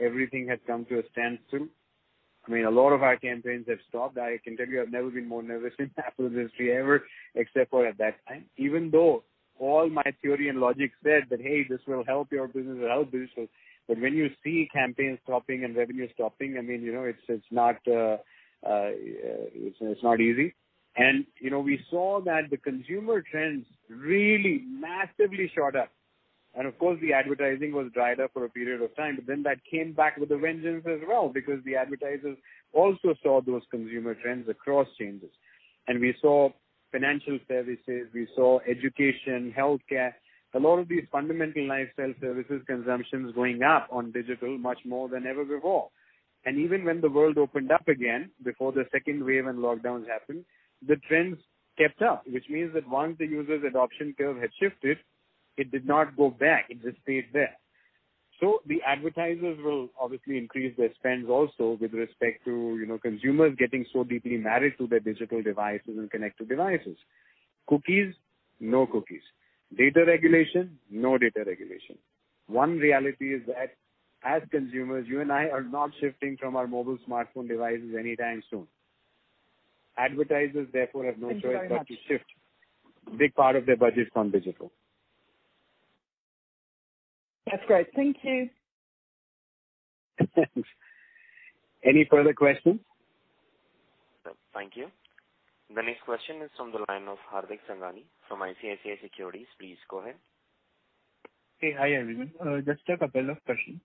S3: Everything had come to a standstill. I mean, a lot of our campaigns have stopped. I can tell you I've never been more nervous in app industry ever, except for at that time, even though all my theory and logic said that hey, this will help your business. But when you see campaigns stopping and revenue stopping, I mean, you know. It's not easy, and you know, we saw that the consumer trends really massively shot up, and of course the advertising was dried up for a period of time, but then that came back with a vengeance as well because the advertisers also saw those consumer trends across changes, and we saw financial services, we saw education, health care, a lot of these fundamental lifestyle services, consumptions going up on digital much more than ever before, and even when the world opened up again before the second wave and lockdowns happened, the trends kept up. Which means that once the user's adoption curve had shifted, it did not go back, it just stayed there, so the advertisers will obviously increase their spends also with respect to consumers getting so deeply married to their digital devices and connected devices. Cookies? No cookies. Data regulation. No data regulation. One reality is that as consumers, you and I are not shifting from our mobile smartphone devices anytime soon. Advertisers therefore have no choice but to shift big part of their budget from digital.
S8: That's great. Thank you.
S3: Any further questions?
S1: Thank you. The next question is from the line of Hardik Sangani from ICICI Securities. Please go ahead.
S9: Hey. Hi everyone. Just a couple of questions.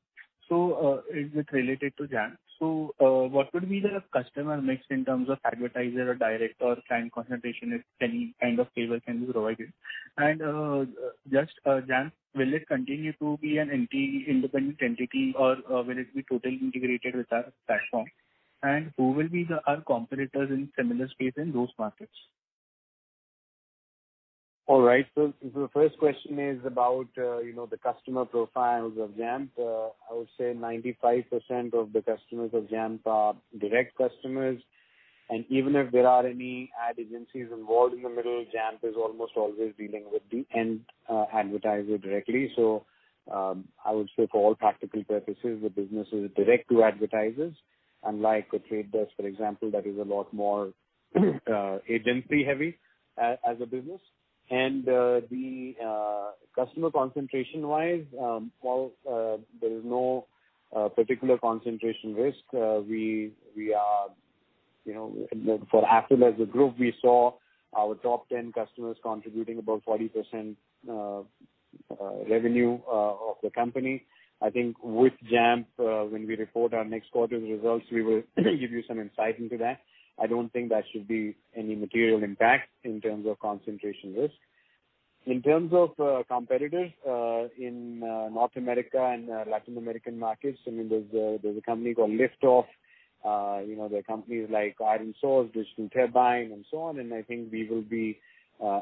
S9: So is it related to Jampp? So what would be the customer mix in terms of advertiser or direct or client concentration? If any kind of table can be provided and just Jampp, will it continue to be an independent entity or will it be totally integrated with our platform? And who will be the competitors in similar space in those markets?
S3: All right, so the first question is about, you know, the customer profiles of Jampp. I would say 95% of the customers of Jampp are direct customers. And even if there are any ad agencies involved in the middle, Jampp is almost always dealing with the end advertiser directly. So I would say for all practical purposes the business is direct to advertisers. Unlike Trade Desk for example, that is a lot more agency heavy as a business. And the customer concentration wise. There is no particular concentration risk. We are, you know, for Affle as a group we saw our top 10 customers contributing about 40% revenue of the company. I think with Jampp, when we report our next quarter's results we will give you some insight into that. I don't think that should be any material impact in terms of concentration risk in terms of competitors in North America and Latin American markets. I mean there's a company called Liftoff, you know, there are companies like IronSource, Digital Turbine and so on and I think we will be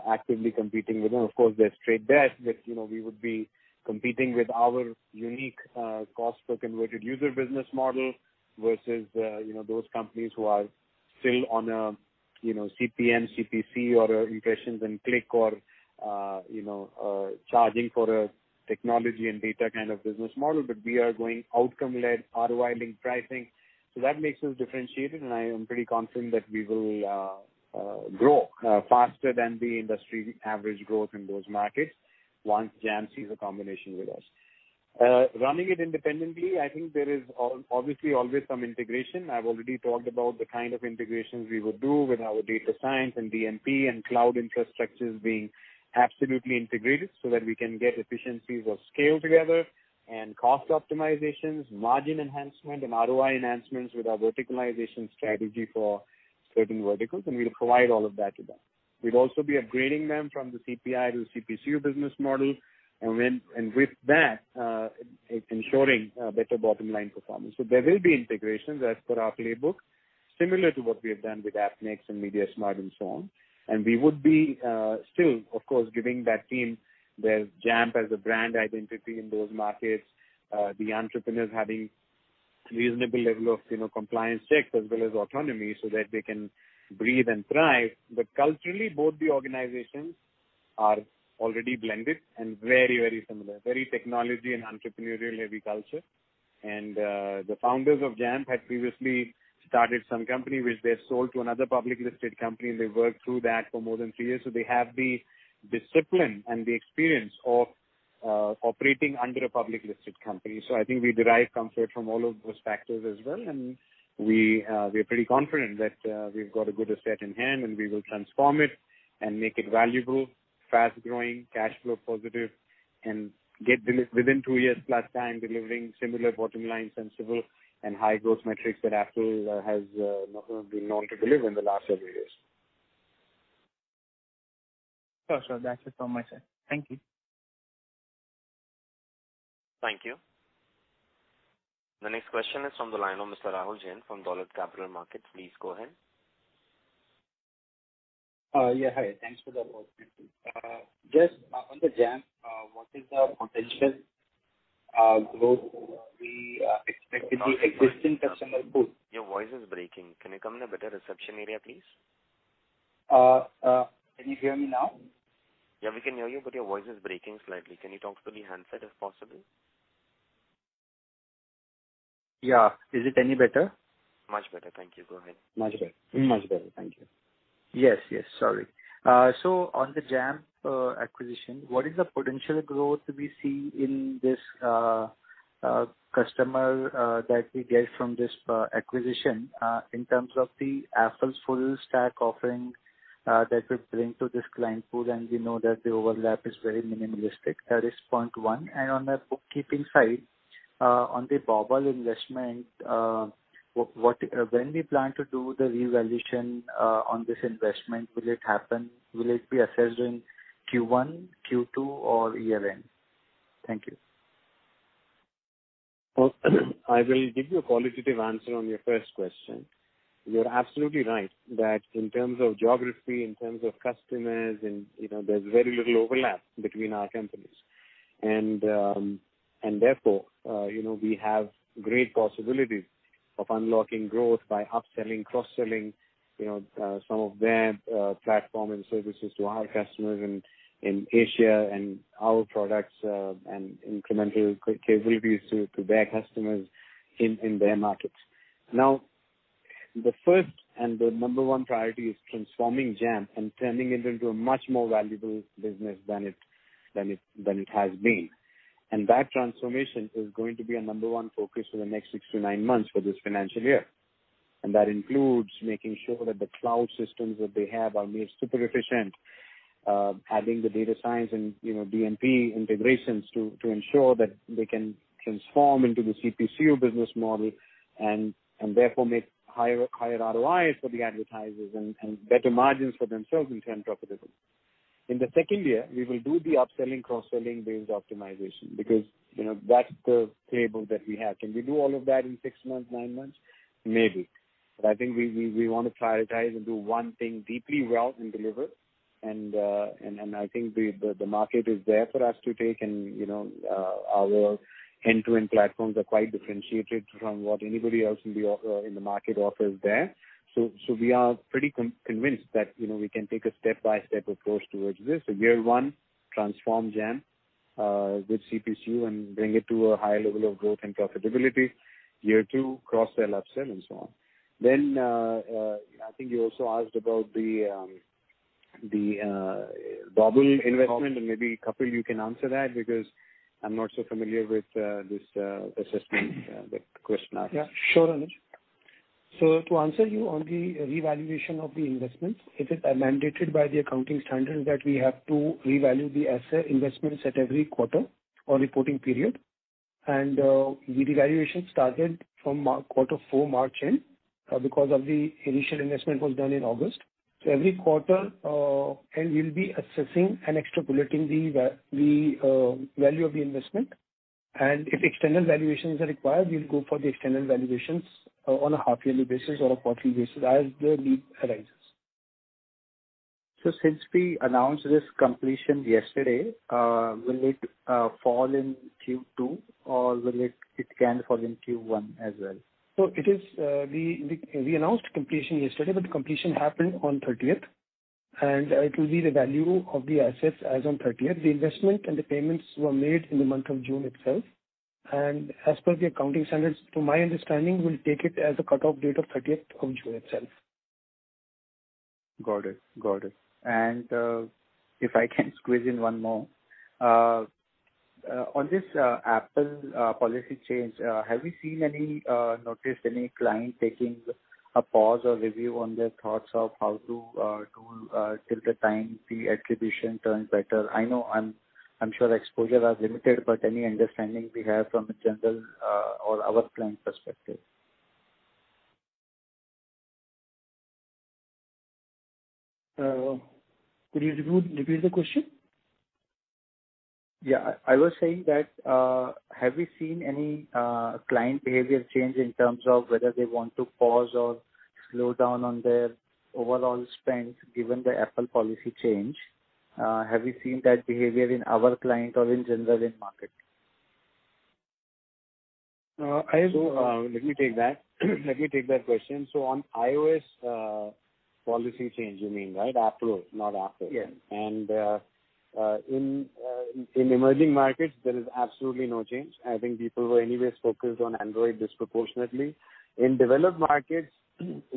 S3: actively competing with them. Of course there's The Trade Desk but you know, we would be competing with our unique cost per converted user business model versus you know, those companies who are still on a, you know, CPM, CPC or Impressions and Click or you know, charging for a technology and data kind of business model. But we are going outcome led ROI link pricing. So that makes us differentiated and I am pretty confident that we will grow faster than the industry average growth in those markets, once Jampp sees a combination with us . Running it independently, I think there is obviously always some integration. I've already talked about the kind of integrations we would do with our data science and DMP cloud infrastructures being absolutely integrated so that we can get efficiencies of scale together and cost optimizations, margin enhancement and ROI enhancements with our verticalization strategy for certain verticals and we'll provide all of that to them. We'd also be upgrading them from the CPI to CPCU business model and with that ensuring better bottom line performance. So there will be integrations as per our playbook similar to what we have done with Appnext and Mediasmart and so on. And we would be still of course giving that team their Jampp as a brand identity in those markets. The entrepreneurs having reasonable level of compliance checks as well as autonomy so that they can breathe and thrive. But culturally both the organizations are already blended and very, very similar, very technology and entrepreneurial heavy culture. And the founders of Jampp had previously started some company which they sold to another public listed company and they worked through that for more than three years. So they have the discipline and the experience of operating under a public listed company. So, I think we derive comfort from all of those factors as well, and we are pretty confident that we've got a good asset in hand, and we will transform it and make it valuable, fast growing, cash flow positive, and get within two years plus time delivering similar bottom line sensible and high growth metrics that Affle has been known to deliver in the last several years.
S9: So that's it from my side. Thank you.
S1: Thank you. The next question is from the line of Mr. Rahul Jain from Dolat Capital. Please go ahead.
S10: Yeah, hi, thanks for the opportunity. Just on the Jampp, what is the potential growth we expect in the existing customer pool?
S1: Your voice is breaking. Can you come in a better reception area please?
S10: Can you hear me now?
S1: Yeah, we can hear you, but your voice is breaking slightly. Can you talk to the handset if possible?
S10: Yeah. Is it any better?
S1: Much better, thank you. Go ahead. Thank you.
S10: Yes, yes, sorry. So on the Jampp acquisition, what is the potential growth we see in this customer that we get from this acquisition in terms of the Affle Full Stack offering that we bring to this client pool and we know that the overlap is very minimalistic, that is 0.1, and on the side on the Bobble investment. When do we plan to do the revaluation on this investment? Will it happen? Will it be assessed in Q1, Q2 or year end? Thank you.
S3: I will give you a qualitative answer on your first question. You're absolutely right that in terms of geography, in terms of customers and you know there's very little overlap between our companies. And therefore we have great possibilities of unlocking growth by upselling, cross-selling some of their platform and services to our customers in Asia and our products and incremental capabilities to their customers in their markets. Now the first and the number one priority is transforming Jampp and turning it into a much more valuable business than it has been. And that transformation is going to be a number one focus for the next six to nine months for this financial year. And that includes making sure that the cloud systems that they have are made super efficient, adding the data science and DMP integrations to ensure that they can transform into the CPCU business model and therefore make higher ROIs for the advertisers and better margins for themselves. In terms of, in the second year we will do the upselling cross-selling based optimization because that's the playbook that we have. Can we do all of that in six months, nine months maybe? But I think we want to prioritize and do one thing deeply well and deliver. And I think the market is there for us to take and our end-to-end platforms are quite differentiated from what anybody else in the market offers there. So we are pretty convinced that we can take a step-by-step approach towards this: year one, transform Jampp with CPCU and bring it to a high level of growth and profitability, year two, cross-sell upsell and so on. Then I think you also asked about the. Dolat investment and maybe Kapil, you can answer that because I'm not so familiar with this assessment question. Yeah,
S5: sure. So to answer you on the revaluation of the investments, it is mandated by the accounting standard that we have to revalue the asset investments at every quarter or reporting period. And the evaluation started from quarter four, March end because the initial investment was done in August. So every quarter and we'll be assessing and extrapolating the value of the investment. And if external valuations are required, we'll go for the external valuations on a half yearly basis or a quarterly basis as the need arises. So since we announced this completion yesterday, will it fall in Q2 or will it can fall in Q1 as well? So it is. We announced completion yesterday, but the completion happened on 30th and it will be the value of the assets as on 30th. The investment and the payments were made in the month of June itself. As per the accounting standards, to my understanding, we'll take it as a cutoff date of 30th of June itself.
S10: Got it, got it, and if I can squeeze in one more. On this Apple policy change, have we seen any, noticed any client taking a pause or review on their thoughts of how to do till the time the attribution turns better? I know, I'm sure exposure are limited, but any understanding we have from a general or our client perspective.
S5: Could you repeat the question?
S10: Yeah, I was saying that, have we seen any client behavior change in terms of whether they want to pause or slow down on their overall spend given the Apple policy change? Have you seen that behavior in our client or in general in market?
S3: Let me take that, let me take that question. So on iOS policy change you mean? Right,
S10: Apple, not Affle.
S3: And.In emerging markets there is absolutely no change. I think people were anyways focused on Android disproportionately in developed markets.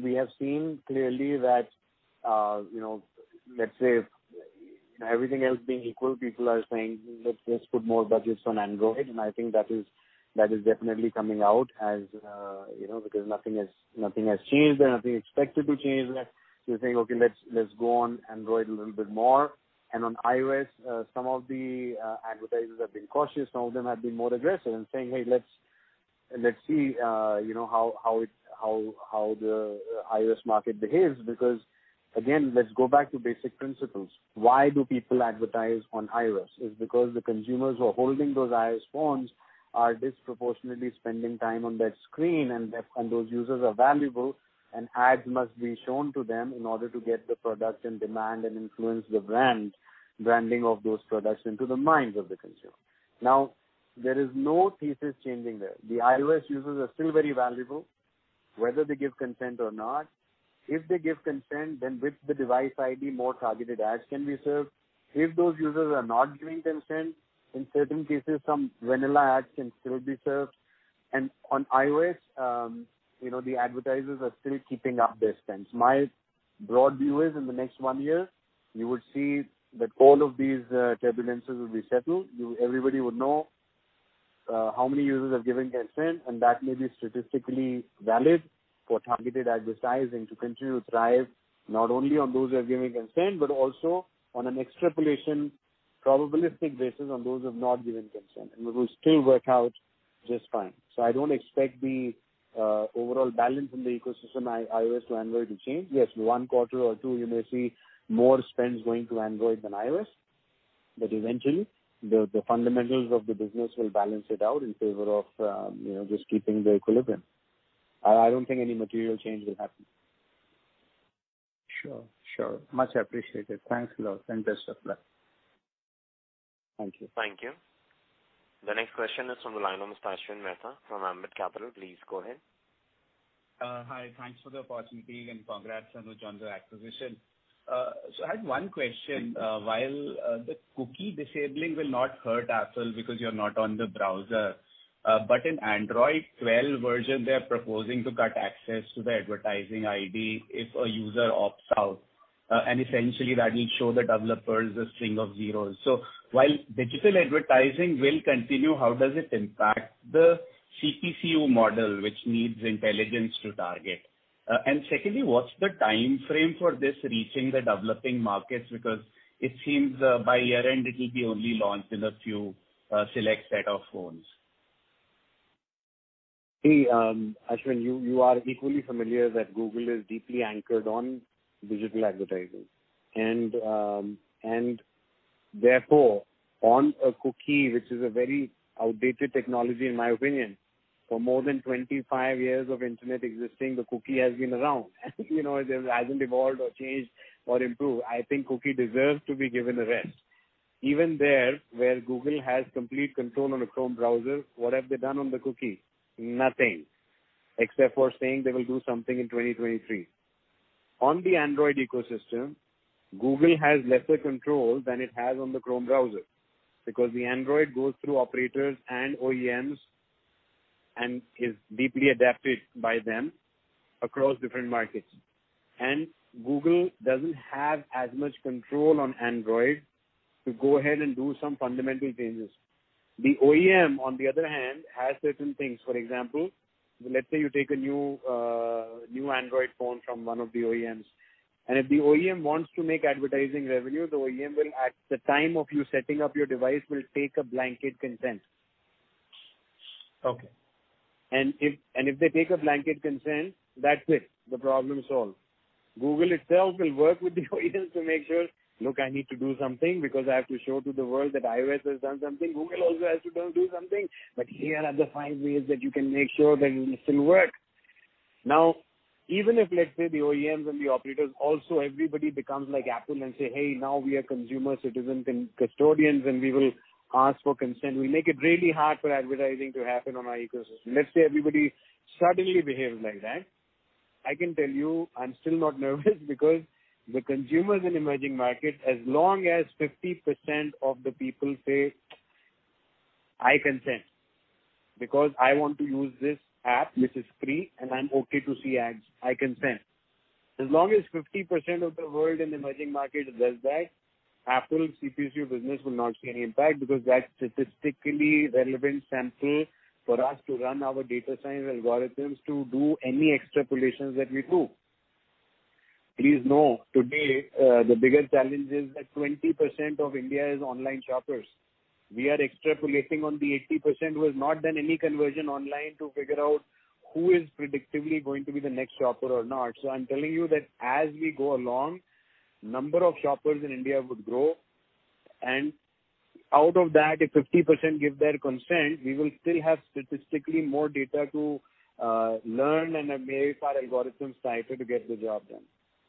S3: We have seen clearly that, you know, let's say everything else being equal, people are saying let's put more budgets on Android, and I think that is, that is definitely coming out as you know, because nothing has changed and nothing expected to change. You think, okay, let's go on Android a little bit more, and on iOS some of the advertisers have been cautious, some of them have been more aggressive and saying, hey, let's see, you know, how it, how the iOS market behaves. Because again, let's go back to basic principles. Why do people advertise on iOS? It's because the consumers who are holding those iOS phones are disproportionately spending time on that screen. And those users are valuable, and ads must be shown to them in order to get the product and demand and influence the branding of those products into the minds of the consumer. Now there is no thesis changing there. The iOS users are still very valuable whether they give consent or not. If they give consent, then with the device ID more targeted ads can be served. If those users are not giving consent, in certain cases some vanilla ads can still be served. And on iOS the advertisers are still keeping up their spend. My broad view is in the next one year you would see that all of these turbulences will be settled. Everybody would know how many users have given consent and that may be statistically valid for targeted advertising to continue to thrive, not only on those are giving consent, but also on an extrapolation probabilistic basis on those who have not given consent. And it will still work out just fine. So I don't expect the overall balance in the ecosystem iOS to Android to change. Yes, one-fourth or two, you may see more spends going to Android than iOS, but eventually the fundamentals of the business will balance it out in favor of just keeping the equilibrium. I don't think any material change will happen.
S10: Sure, sure. Much appreciated. Thanks a lot and best of luck. Thank you.
S1: Thank you. The next question is from the line of Ashwin Mehta from Ambit Capital. Please go ahead.
S11: Hi, thanks for the opportunity and congrats on the Jampp acquisition, so I had one question. While the cookie disabling will not hurt Affle because you're not on the browser, but in Android 12 version they're proposing to cut access to the advertising ID if a user opts out, and essentially that will show the developers a string of zeros, so while digital advertising will continue, how does it impact the CPCU model which needs intelligence to target, and secondly, what's the time frame for this reaching the developing markets? Because it seems by year end it will be only launched in a few select set of phones.
S3: Ashwin, you are equally familiar that Google is deeply anchored on digital advertising. And therefore on a cookie, which is a very outdated technology in my opinion. For more than 25 years of internet existing, the cookie has been around. You know, it hasn't evolved or changed or improved. I think cookie deserves to be given a rest. Even there, where Google has complete control on a Chrome browser, what have they done on the cookie? Nothing, except for saying they will do something in 2023 on the Android ecosystem. Google has less control than it has on the Chrome browser because the Android goes through operators and OEMs and is deeply adapted by them across different markets. And Google doesn't have as much control on Android to go ahead and do some fundamental changes. The OEM on the other hand has certain things. For example, let's say you take a new Android phone from one of the OEMs and if the OEM wants to make advertising revenue, the OEM will, the time of you setting up your device, take a blanket consent. Okay? And if they take a blanket consent, that's it, the problem solved. Google itself will work with the audience to make sure, look, I need to do something because I have to show to the world that iOS has done something. Google also has to do something. But here are the five ways that you can make sure that work. Now, even if, let's say, the OEMs and the operators also everybody becomes like Affle and say, "Hey, now we are consumer citizens and custodians and we will ask for consent. We make it really hard for advertising to happen on our ecosystem." Let's say everybody suddenly behaves like that. I can tell you I'm still not nervous because the consumers in emerging market, as long as 50% of the people say I consent because I want to use this app, which is free and I'm okay to see ads, I consent. As long as 50% of the world in emerging markets does, that Affle CPC business will not see any impact because that statistically relevant sample for us to run our data science algorithms to do any extrapolations that we do. Please know today the bigger challenge is that 20% of India is online shoppers. We are extrapolating on the 80% who has not done any conversion online to figure out who is predictively going to be the next shopper or not. So I'm telling you that as we go along, number of shoppers in India would grow and out of that, if 50% give their consent, we will still have statistically more data to learn and may find algorithms tighter to get the job done.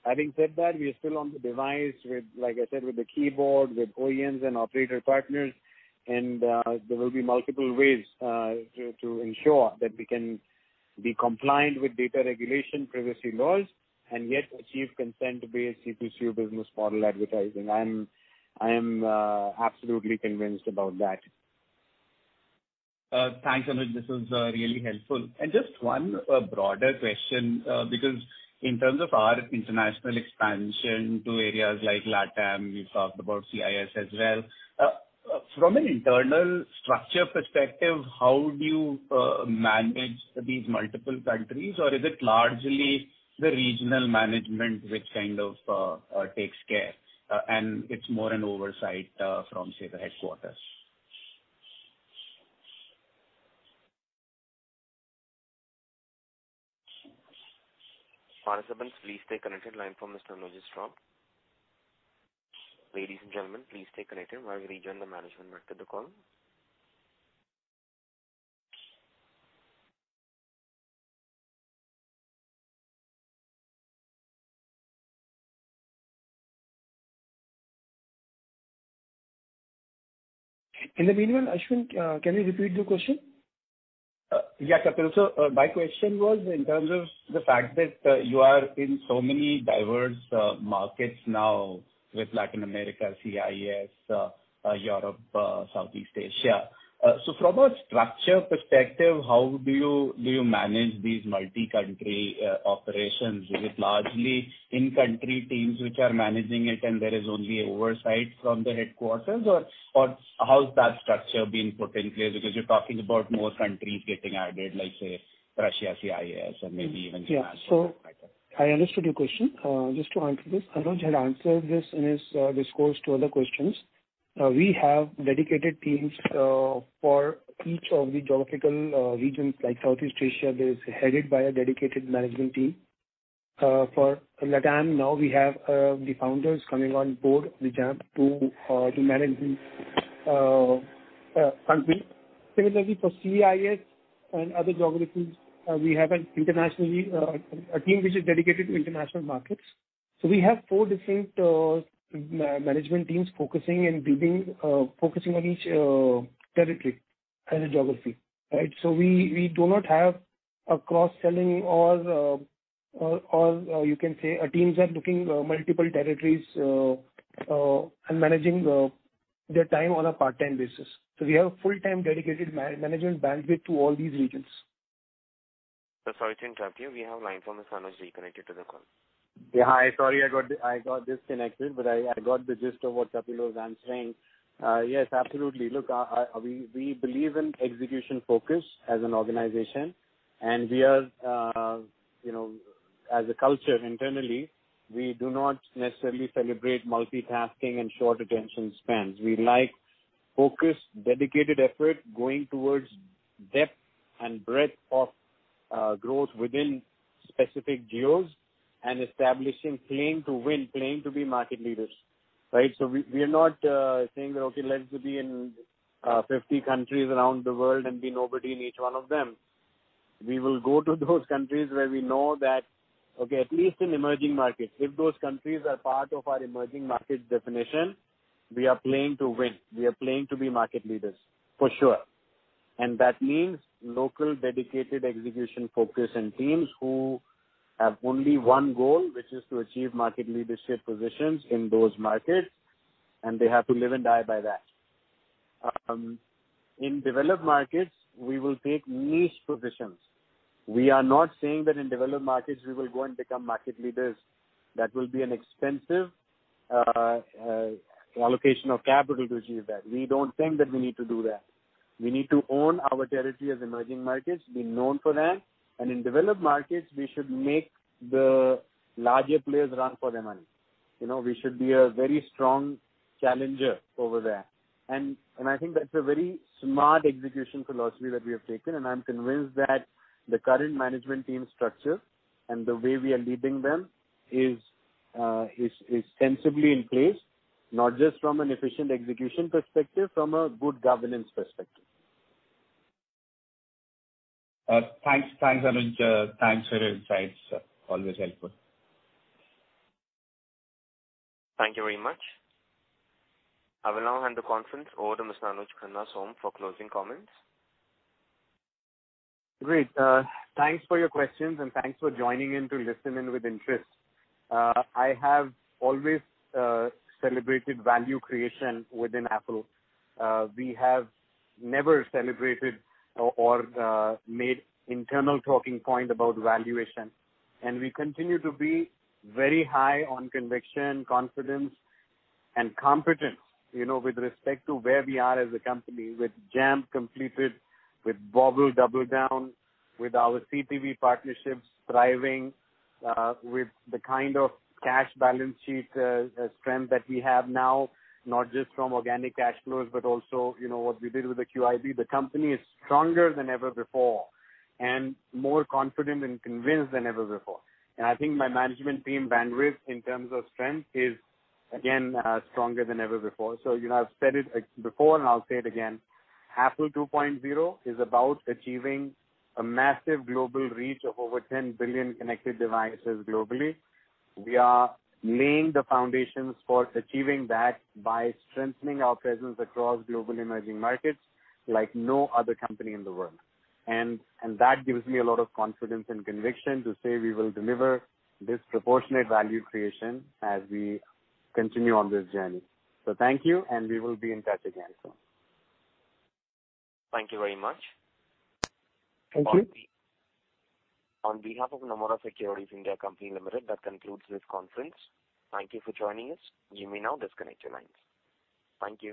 S3: Having said that, we are still on the device with, like I said, with the keyboard with OEMs and operator partners and there will be multiple ways to ensure that we can be compliant with data regulation privacy laws and yet achieve consent-based CPCU business model advertising. I am absolutely convinced about that.
S11: Thanks Anuj, this was really helpful, and just one broader question because in terms of our international expansion to areas like LATAM, you talked about CIS as well. From an internal structure perspective, how do you manage these multiple countries or is it largely the regional management which kind of takes care and it's more an oversight from say the headquarters?
S1: Participants, please stay connected. Line from Mr. Logistro. Ladies and gentlemen, please stay connected while we rejoin the management team to the call.
S5: In the meanwhile, Ashwin, can you repeat the question?
S11: Yeah, Kapil, so my question was in terms of the fact that you are in so many diverse markets now with Latin America, CIS, Europe, Southeast Asia. So from a structure perspective, how do you manage these multi country operations? Is it largely in country teams which are managing it and there is only oversight from the headquarters or how's that structure being put in place? Because you're talking about more countries getting added like say Russia, CIS and maybe even.
S5: I understood your question just to answer this. Anuj had answered this in his discourse to other questions. We have dedicated teams for each of the geographical regions like Southeast Asia that is headed by a dedicated management team for LATAM. Now we have the founders coming on board the Jampp to manage the. Country. Similarly, for CIS and other geographies, we have internationally a team which is dedicated to international markets. So we have four different management teams focusing and building, focusing on each territory as a geography. Right. So we do not have cross-selling or you can say our teams are looking multiple territories and managing their time on a part-time basis. So we have full-time dedicated management bandwidth to all these regions.
S1: Sorry to interrupt you. We have line from the Sangani connected to the call.
S3: Hi, sorry I got disconnected but I got the gist of what was answering. Yes, absolutely. Look, we believe in execution focus as an organization and we are, you know, as a culture internally. We do not necessarily celebrate multitasking and short attention spans. We like focus, dedicated effort going towards depth and breadth of growth within specific GEOs and establishing claim to win. Playing to be market leaders. Right? So we are not saying that, okay, let's be in 50 countries around the world and be nobody in each one of them. We will go to those countries where we know that, okay, at least in emerging markets, if those countries are part of our emerging market definition, we are playing to win. We are playing to be market leaders for sure. And that means local dedicated execution focus and teams who have only one goal which is to achieve market leadership positions in those markets and they have to live and die by that. In developed markets we will take niche positions. We are not saying that in developed markets we will go and become market leaders. That will be an expensive allocation of capital to achieve that. We don't think that we need to do that. We need to own our territory of emerging markets, be known for that. And in developed markets we should make the larger players run for their money. You know, we should be a very strong challenger over there. And I think that's a very smart execution philosophy that we have taken. And I'm convinced that the current management team structure and the way we are leading them is sensibly in place, not just from an efficient execution perspective, from a good governance perspective.
S11: Thanks. Thanks Anuj. Thanks for your insights. Always helpful.
S1: Thank you very much. I will now hand the conference over to Ms. Anuj Khanna Sohum for closing comments.
S3: Great. Thanks for your questions and thanks for joining in to listen in with interest. I have always celebrated value creation within Affle. We have never celebrated or made internal talking point about valuation, and we continue to be very high on conviction, confidence, and competence. You know, with respect to where we are as a company. With Jampp completed, with Bobble double down, with our CPV partnerships thriving with the kind of cash balance sheet strength that we have now, not just from organic cash flows but also what we did with the QIP, the company is stronger than ever before and more confident and convinced than ever before, and I think my management team bandwidth in terms of strength is again stronger than ever before, so you know, I've said it before and I'll say it again. Affle 2.0 is about achieving a massive global reach of over 10 billion connected devices globally. We are laying the foundations for achieving that by strengthening our presence across global emerging markets like no other company in the world, and that gives me a lot of confidence and conviction to say we will deliver disproportionate value creation as we continue on this journey, so thank you and we will be in touch again soon.
S1: Thank you very much. Thank you. On behalf of Nomura Securities India Co. Ltd. That concludes this conference. Thank you for joining us. You may now disconnect your lines. Thank you.